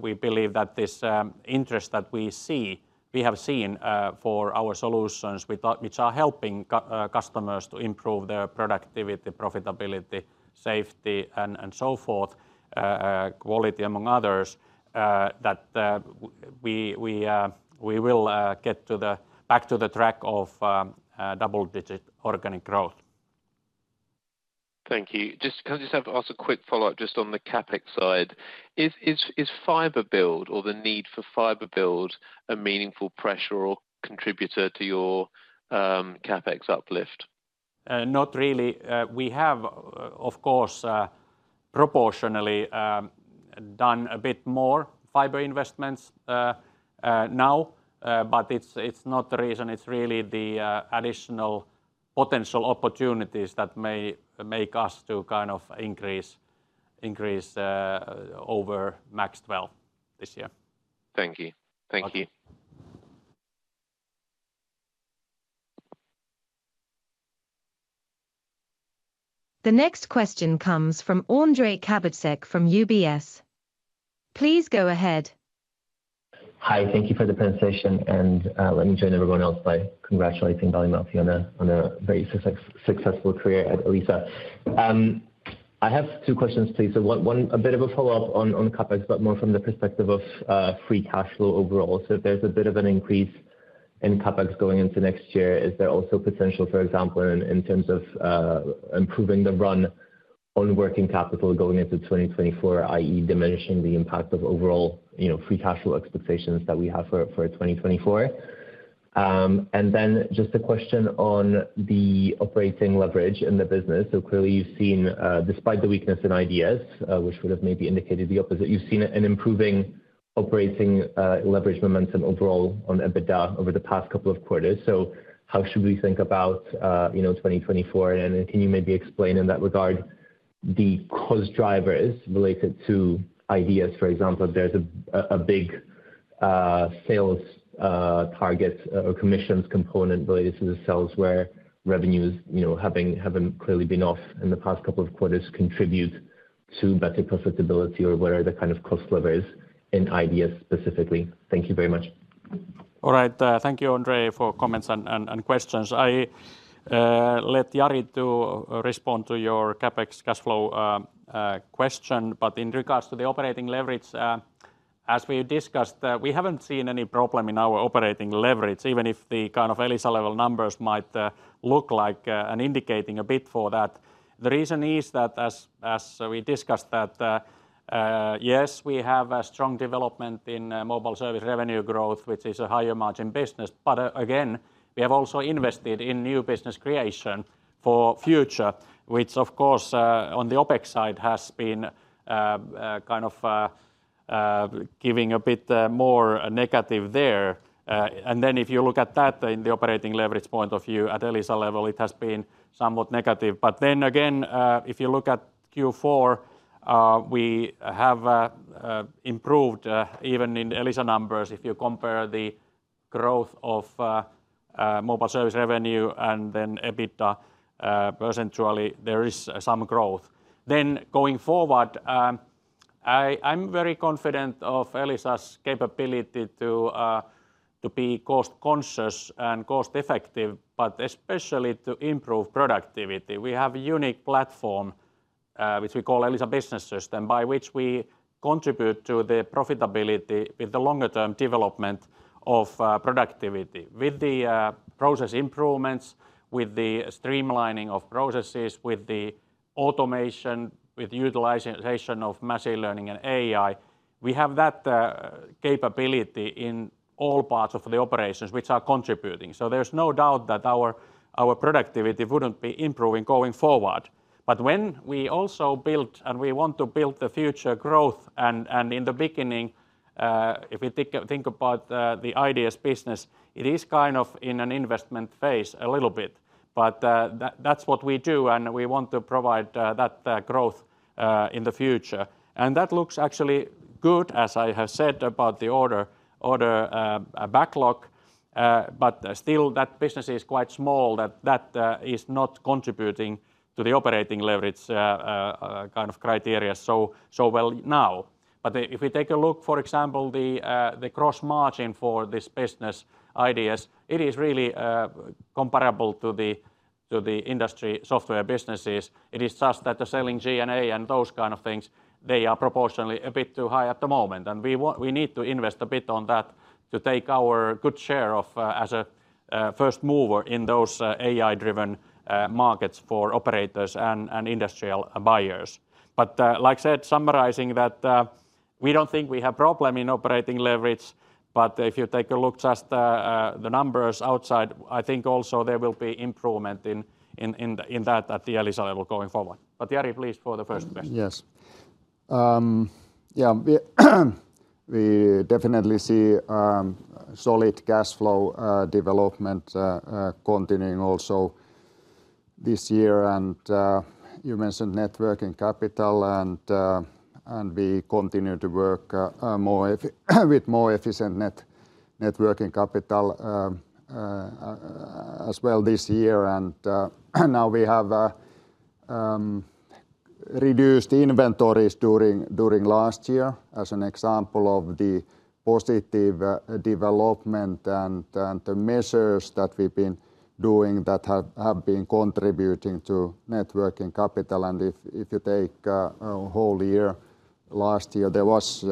we believe that this interest that we see, we have seen for our solutions, which are helping customers to improve their productivity, profitability, safety, and so forth, quality among others, that we will get to the back to the track of double-digit organic growth. Thank you. Just, can I just ask a quick follow-up just on the CapEx side? Is fiber build or the need for fiber build a meaningful pressure or contributor to your CapEx uplift? Not really. We have, of course, proportionally, done a bit more fiber investments, now, but it's, it's not the reason. It's really the additional potential opportunities that may make us to kind of increase, increase, over max 12 this year. Thank you. Thank you. Okay. The next question comes from Ondrej Cabejsek from UBS. Please go ahead. Hi. Thank you for the presentation, and let me join everyone else by congratulating Veli-Matti Mattila on a very successful career at Elisa. I have two questions, please. One, a bit of a follow-up on CapEx, but more from the perspective of free cash flow overall. So if there's a bit of an increase in CapEx going into next year, is there also potential, for example, in terms of improving the run on working capital going into 2024, i.e., diminishing the impact of overall, you know, free cash flow expectations that we have for 2024? And then just a question on the operating leverage in the business. So clearly you've seen, despite the weakness in IDS, which would have maybe indicated the opposite, you've seen an improving operating leverage momentum overall on EBITDA over the past couple of quarters. So how should we think about, you know, 2024? And can you maybe explain in that regard the cost drivers related to IDS? For example, there's a big sales target or commissions component related to the sales, where revenues, you know, having clearly been off in the past couple of quarters, contribute to better profitability, or what are the kind of cost levers in IDS specifically? Thank you very much. All right. Thank you, Ondrej, for comments and questions. I let Jari to respond to your CapEx cash flow question. But in regards to the operating leverage, as we discussed, we haven't seen any problem in our operating leverage, even if the kind of Elisa level numbers might look like and indicating a bit for that. The reason is that as we discussed, that yes, we have a strong development in mobile service revenue growth, which is a higher margin business, but again, we have also invested in new business creation for future, which, of course, on the OpEx side, has been kind of giving a bit more negative there. And then if you look at that in the operating leverage point of view, at Elisa level, it has been somewhat negative. But then again, if you look at Q4, we have improved even in Elisa numbers. If you compare the growth of mobile service revenue and then EBITDA, percentually, there is some growth. Then going forward, I'm very confident of Elisa's capability to be cost conscious and cost effective, but especially to improve productivity. We have a unique platform, which we call Elisa Business System, by which we contribute to the profitability with the longer term development of productivity. With the process improvements, with the streamlining of processes, with the automation, with utilization of machine learning and AI, we have that capability in all parts of the operations which are contributing. So there's no doubt that our productivity wouldn't be improving going forward. But when we also build, and we want to build the future growth, and in the beginning, if you think about the IDS business, it is kind of in an investment phase a little bit. But that's what we do, and we want to provide that growth in the future. And that looks actually good, as I have said, about the order backlog, but still that business is quite small. That is not contributing to the operating leverage kind of criteria so well now. But if we take a look, for example, the gross margin for this IDS business, it is really comparable to the industry software businesses. It is just that the selling G&A and those kind of things, they are proportionally a bit too high at the moment, and we want—we need to invest a bit on that to take our good share of, as a first mover in those AI-driven markets for operators and industrial buyers. But, like I said, summarizing that, we don't think we have problem in operating leverage, but if you take a look just the numbers outside, I think also there will be improvement in that at the yearly level going forward. But Jari, please, for the first question. Yes. Yeah, we definitely see solid cash flow development continuing also this year. And you mentioned net working capital, and we continue to work with more efficient net working capital as well this year. And now we have reduced inventories during last year, as an example of the positive development and the measures that we've been doing that have been contributing to net working capital. And if you take a whole year, last year, there was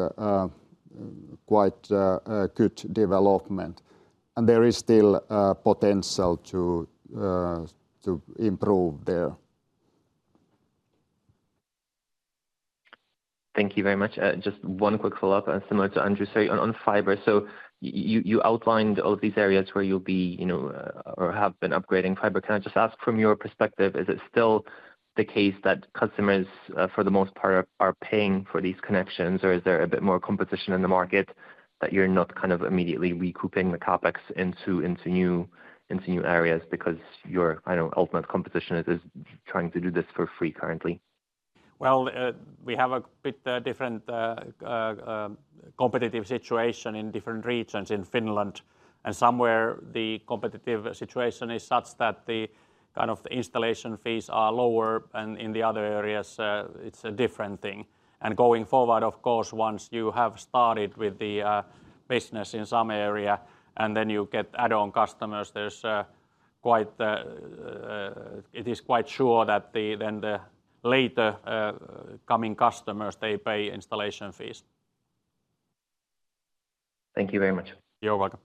quite a good development, and there is still potential to improve there. Thank you very much. Just one quick follow-up and similar to Andrew. So on fiber, so you outlined all of these areas where you'll be, you know, or have been upgrading fiber. Can I just ask, from your perspective, is it still the case that customers for the most part are paying for these connections, or is there a bit more competition in the market that you're not kind of immediately recouping the CapEx into new areas because your, I know, ultimate competition is trying to do this for free currently? Well, we have a bit different competitive situation in different regions in Finland, and somewhere the competitive situation is such that the kind of the installation fees are lower, and in the other areas, it's a different thing. And going forward, of course, once you have started with the business in some area, and then you get add-on customers, there's quite... It is quite sure that the, then the later coming customers, they pay installation fees. Thank you very much. You're welcome.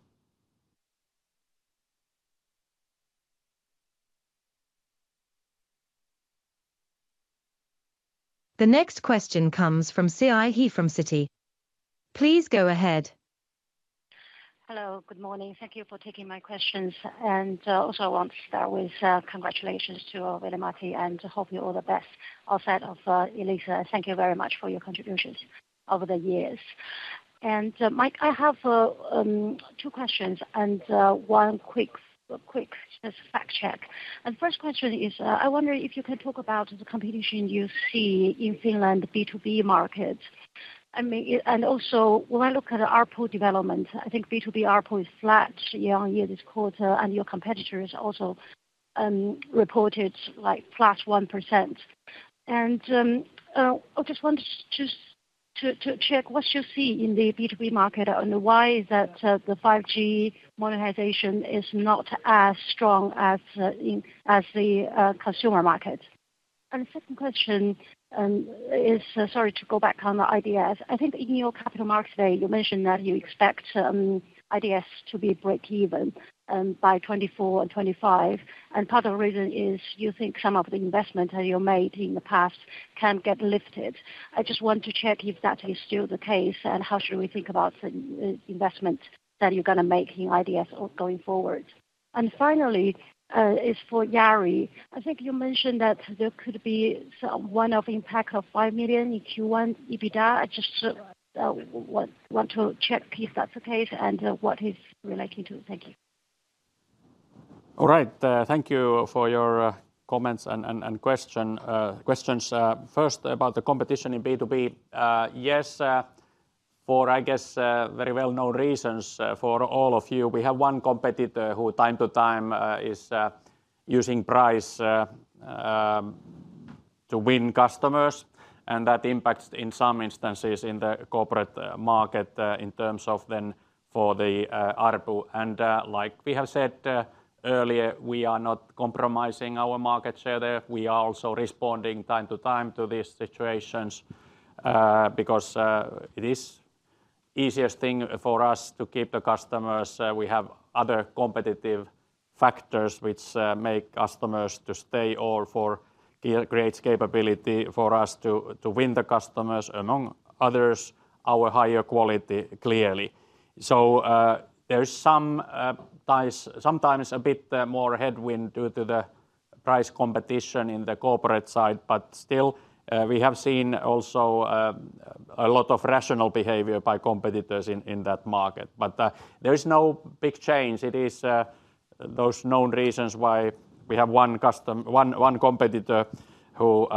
The next question comes from Siyi He from Citi. Please go ahead. Hello, good morning. Thank you for taking my questions. And also I want to start with congratulations to Veli-Matti, and hope you all the best outside of Elisa. Thank you very much for your contributions over the years. And Mike, I have two questions and one quick fact check. And first question is, I wonder if you can talk about the competition you see in Finland, the B2B market. I mean, and also, when I look at the ARPU development, I think B2B ARPU is flat year-over-year, this quarter, and your competitors also reported, like, flat 1%. And I just want to check what you see in the B2B market and why is that, the 5G monetization is not as strong as in the consumer market? The second question is, sorry to go back on the IDS. I think in your Capital Markets Day today, you mentioned that you expect IDS to be breakeven by 2024 and 2025, and part of the reason is you think some of the investment that you made in the past can get lifted. I just want to check if that is still the case, and how should we think about the investment that you're gonna make in IDS going forward? And finally is for Jari. I think you mentioned that there could be some one-off impact of 5 million in Q1 EBITDA. I just want to check if that's the case and what is relating to it. Thank you. All right. Thank you for your comments and question, questions. First, about the competition in B2B, yes, for I guess, very well-known reasons, for all of you, we have one competitor who time to time is using price to win customers, and that impacts in some instances in the corporate market in terms of then for the ARPU. Like we have said earlier, we are not compromising our market share there. We are also responding time to time to these situations, because it is easiest thing for us to keep the customers. We have other competitive factors which make customers to stay, or for create capability for us to win the customers, among others, our higher quality, clearly. So, there is sometimes a bit more headwind due to the-... price competition in the corporate side, but still, we have seen also, a lot of rational behavior by competitors in, in that market. But, there is no big change. It is, those known reasons why we have one custom- one, one competitor who,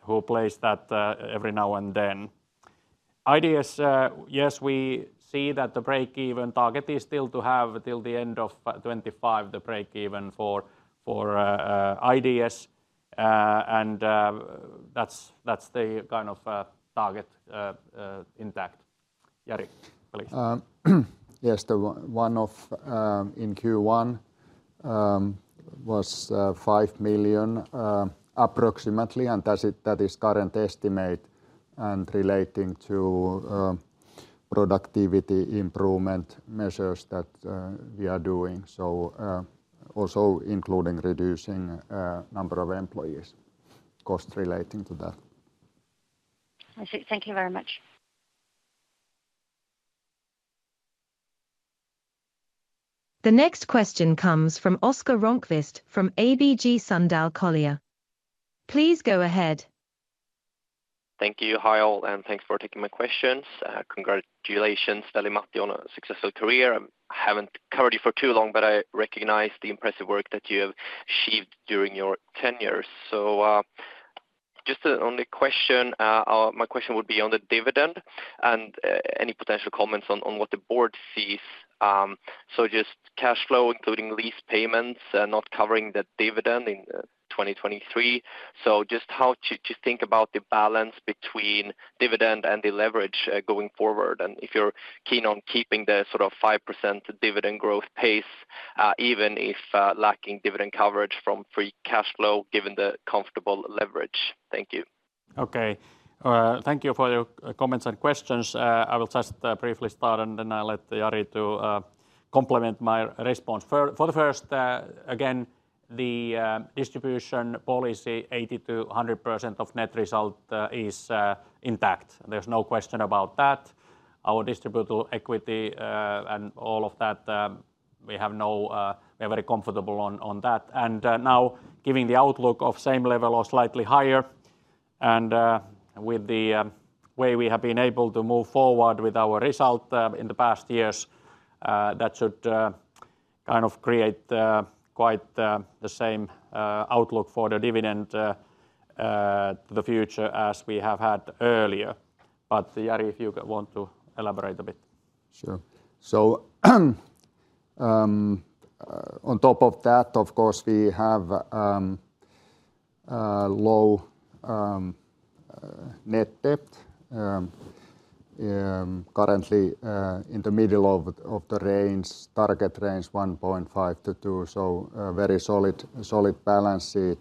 who plays that, every now and then. IDS, yes, we see that the break-even target is still to have till the end of, 25, the break even for, for, IDS, and, that's, that's the kind of, target, intact. Jari, please. Yes, the one-off in Q1 was approximately 5 million, and that's, that is current estimate and relating to productivity improvement measures that we are doing. Also, including reducing number of employees, cost relating to that. I see. Thank you very much. The next question comes from Oscar Rönnkvist from ABG Sundal Collier. Please go ahead. Thank you. Hi, all, and thanks for taking my questions. Congratulations, Veli-Matti, on a successful career. I haven't covered you for too long, but I recognize the impressive work that you have achieved during your tenure. So, just, on the question, my question would be on the dividend and any potential comments on what the board sees. So just cash flow, including lease payments, not covering the dividend in 2023. So just how to think about the balance between dividend and the leverage going forward, and if you're keen on keeping the sort of 5% dividend growth pace, even if lacking dividend coverage from free cash flow, given the comfortable leverage. Thank you. Okay. Thank you for your comments and questions. I will just briefly start, and then I'll let Jari to complement my response. For the first, again, the distribution policy, 80%-100% of net result, is intact. There's no question about that. Our distributable equity and all of that, we have no... We're very comfortable on that. Now, giving the outlook of same level or slightly higher, and with the way we have been able to move forward with our result in the past years, that should kind of create quite the same outlook for the dividend the future as we have had earlier. But, Jari, if you want to elaborate a bit. Sure. So, on top of that, of course, we have low net debt. Currently, in the middle of the range, target range, 1.5-2, so a very solid, solid balance sheet.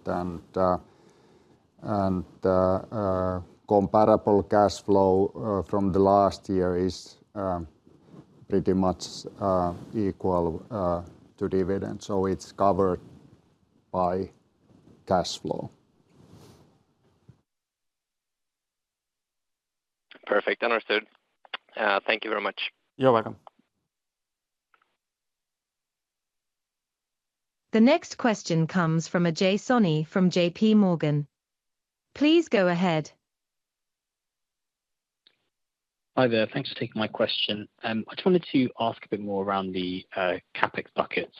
Comparable cash flow from the last year is pretty much equal to dividend, so it's covered by cash flow. Perfect. Understood. Thank you very much. You're welcome. The next question comes from Ajay Soni from JP Morgan. Please go ahead. Hi there. Thanks for taking my question. I just wanted to ask a bit more around the CapEx buckets.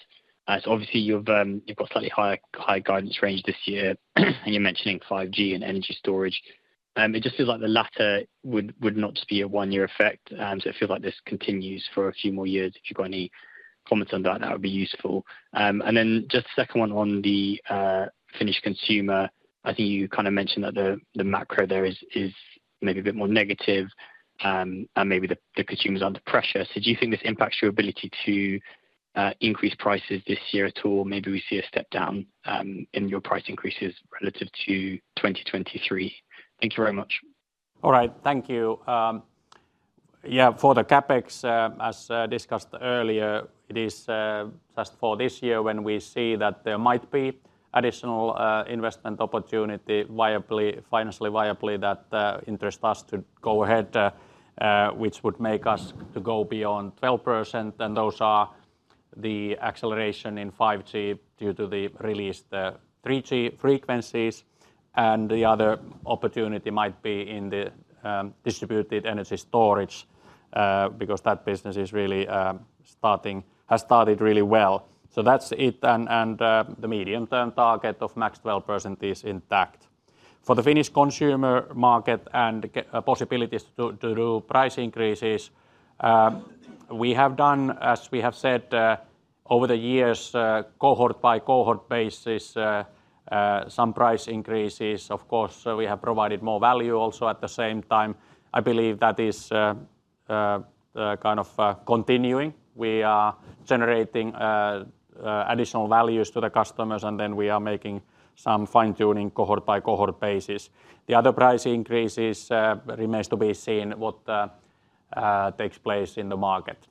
As obviously, you've got slightly higher high guidance range this year, and you're mentioning 5G and energy storage. It just feels like the latter would not just be a one-year effect, and so it feels like this continues for a few more years. If you've got any comments on that, that would be useful. And then just the second one on the Finnish consumer, I think you kind of mentioned that the macro there is maybe a bit more negative, and maybe the consumer is under pressure. So do you think this impacts your ability to increase prices this year at all? Maybe we see a step down in your price increases relative to 2023. Thank you very much. All right. Thank you. Yeah, for the CapEx, as discussed earlier, it is just for this year when we see that there might be additional investment opportunity viably- financially viably, that interest us to go ahead, which would make us to go beyond 12%, and those are the acceleration in 5G due to the released 3G frequencies, and the other opportunity might be in the distributed energy storage because that business is really starting-- has started really well. So that's it, and the medium-term target of max 12% is intact. For the Finnish consumer market and get possibilities to do price increases, we have done, as we have said, over the years, cohort by cohort basis, some price increases. Of course, we have provided more value also at the same time. I believe that is kind of continuing. We are generating additional values to the customers, and then we are making some fine-tuning cohort by cohort basis. The other price increases remains to be seen what takes place in the market. ...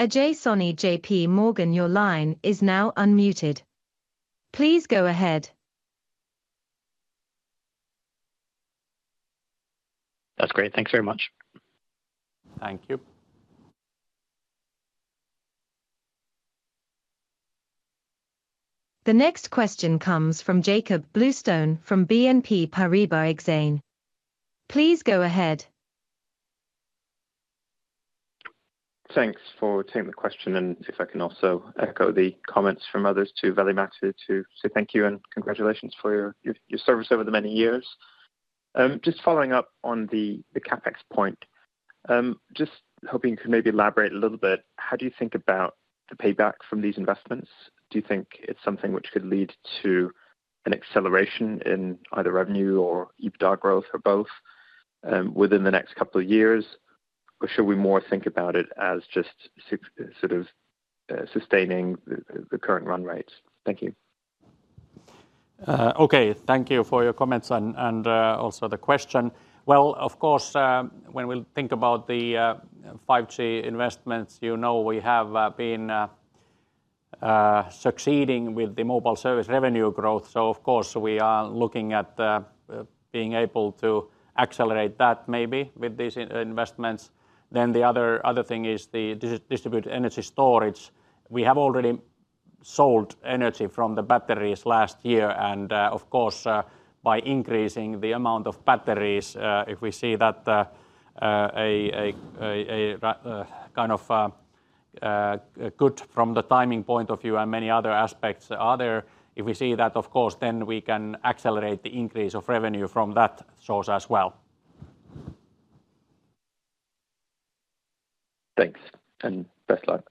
Ajay Soni, JP Morgan, your line is now unmuted. Please go ahead. That's great. Thanks very much. Thank you. The next question comes from Jakob Bluestone from BNP Paribas Exane. Please go ahead. Thanks for taking the question, and if I can also echo the comments from others to Veli-Matti to say thank you and congratulations for your service over the many years. Just following up on the CapEx point, just hoping you could maybe elaborate a little bit. How do you think about the payback from these investments? Do you think it's something which could lead to an acceleration in either revenue or EBITDA growth or both, within the next couple of years? Or should we more think about it as just sort of sustaining the current run rates? Thank you. Okay. Thank you for your comments and also the question. Well, of course, when we think about the 5G investments, you know, we have been succeeding with the mobile service revenue growth. So of course, we are looking at being able to accelerate that maybe with these investments. Then the other thing is the distributed energy storage. We have already sold energy from the batteries last year, and of course, by increasing the amount of batteries, if we see that a kind of good from the timing point of view and many other aspects are there. If we see that, of course, then we can accelerate the increase of revenue from that source as well. Thanks, and best luck.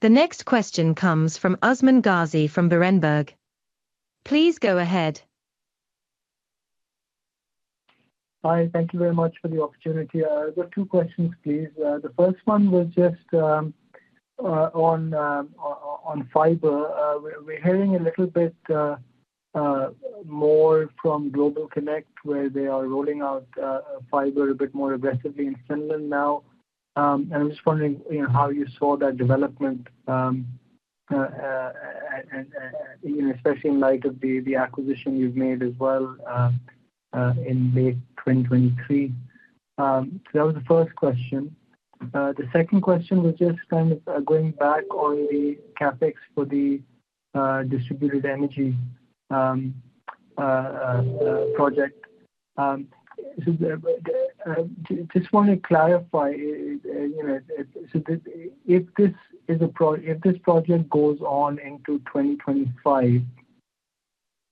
The next question comes from Usman Ghazi from Berenberg. Please go ahead. Hi, thank you very much for the opportunity. I've got two questions, please. The first one was just on fiber. We're hearing a little bit more from GlobalConnect, where they are rolling out fiber a bit more aggressively in Finland now. And I'm just wondering, you know, how you saw that development, and, you know, especially in light of the acquisition you've made as well in late 2023. So that was the first question. The second question was just kind of going back on the CapEx for the distributed energy project. So just want to clarify, you know, so did... If this project goes on into 2025,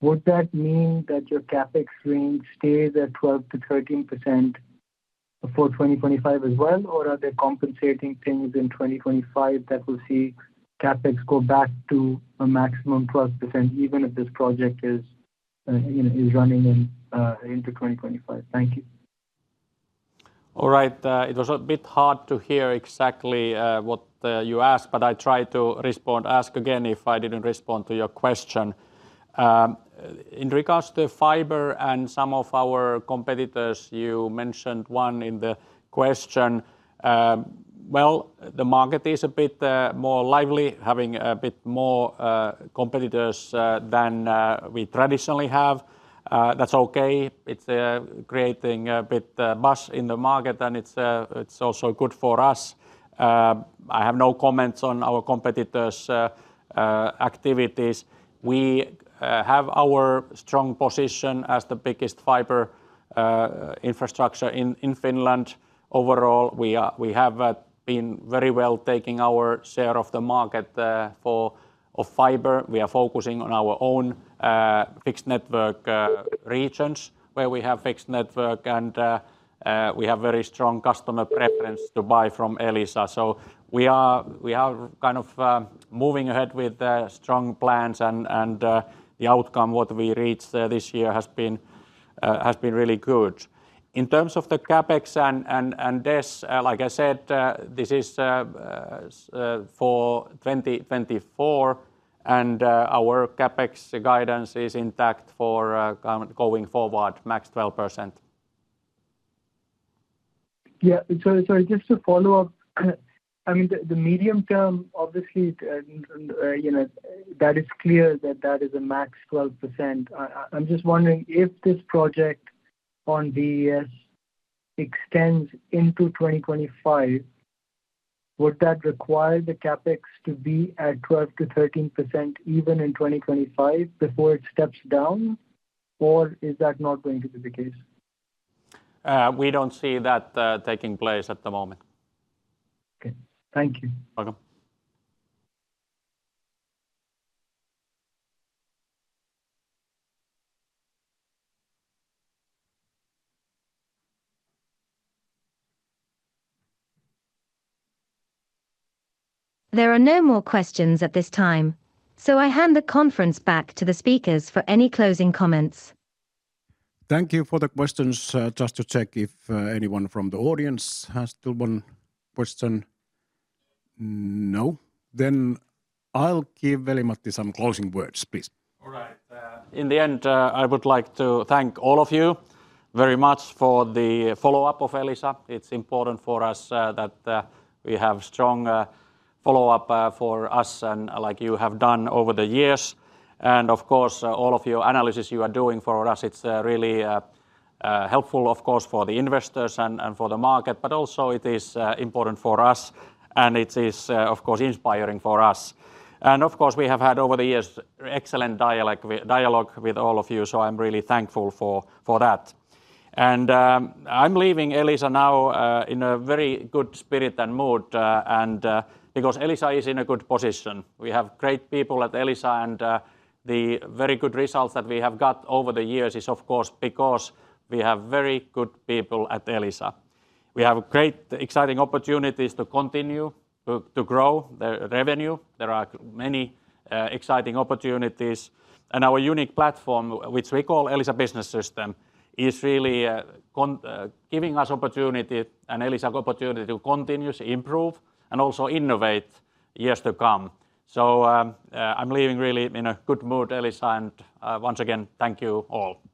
would that mean that your CapEx range stays at 12%-13% for 2025 as well? Or are there compensating things in 2025 that will see CapEx go back to a maximum plus percent, even if this project is, you know, running into 2025? Thank you. All right. It was a bit hard to hear exactly what you asked, but I tried to respond. Ask again if I didn't respond to your question. In regards to fiber and some of our competitors, you mentioned one in the question. Well, the market is a bit more lively, having a bit more competitors than we traditionally have. That's okay. It's creating a bit buzz in the market, and it's also good for us. I have no comments on our competitors' activities. We have our strong position as the biggest fiber infrastructure in Finland. Overall, we are—we have been very well taking our share of the market for of fiber. We are focusing on our own fixed network regions, where we have fixed network, and we have very strong customer preference to buy from Elisa. So we are, we are kind of moving ahead with strong plans, and the outcome what we reached this year has been really good. In terms of the CapEx and this, like I said, this is for 2024, and our CapEx guidance is intact for going forward, max 12%. Yeah. So just to follow up, I mean, the medium term, obviously, you know, that is clear that that is a max 12%. I'm just wondering, if this project on IDS extends into 2025, would that require the CapEx to be at 12%-13% even in 2025 before it steps down, or is that not going to be the case? We don't see that taking place at the moment. Okay. Thank you. Welcome. There are no more questions at this time, so I hand the conference back to the speakers for any closing comments. Thank you for the questions. Just to check if anyone from the audience has still one question. No? Then I'll give Veli-Matti some closing words, please. All right. In the end, I would like to thank all of you very much for the follow-up of Elisa. It's important for us that we have strong follow-up for us and like you have done over the years. And of course, all of your analysis you are doing for us, it's really helpful, of course, for the investors and for the market, but also it is important for us, and it is, of course, inspiring for us. And of course, we have had over the years excellent dialogue with all of you, so I'm really thankful for that. And I'm leaving Elisa now in a very good spirit and mood and because Elisa is in a good position. We have great people at Elisa, and the very good results that we have got over the years is, of course, because we have very good people at Elisa. We have great, exciting opportunities to continue to grow the revenue. There are many exciting opportunities, and our unique platform, which we call Elisa Business System, is really giving us opportunity and Elisa opportunity to continuously improve and also innovate years to come. So, I'm leaving really in a good mood, Elisa, and once again, thank you all.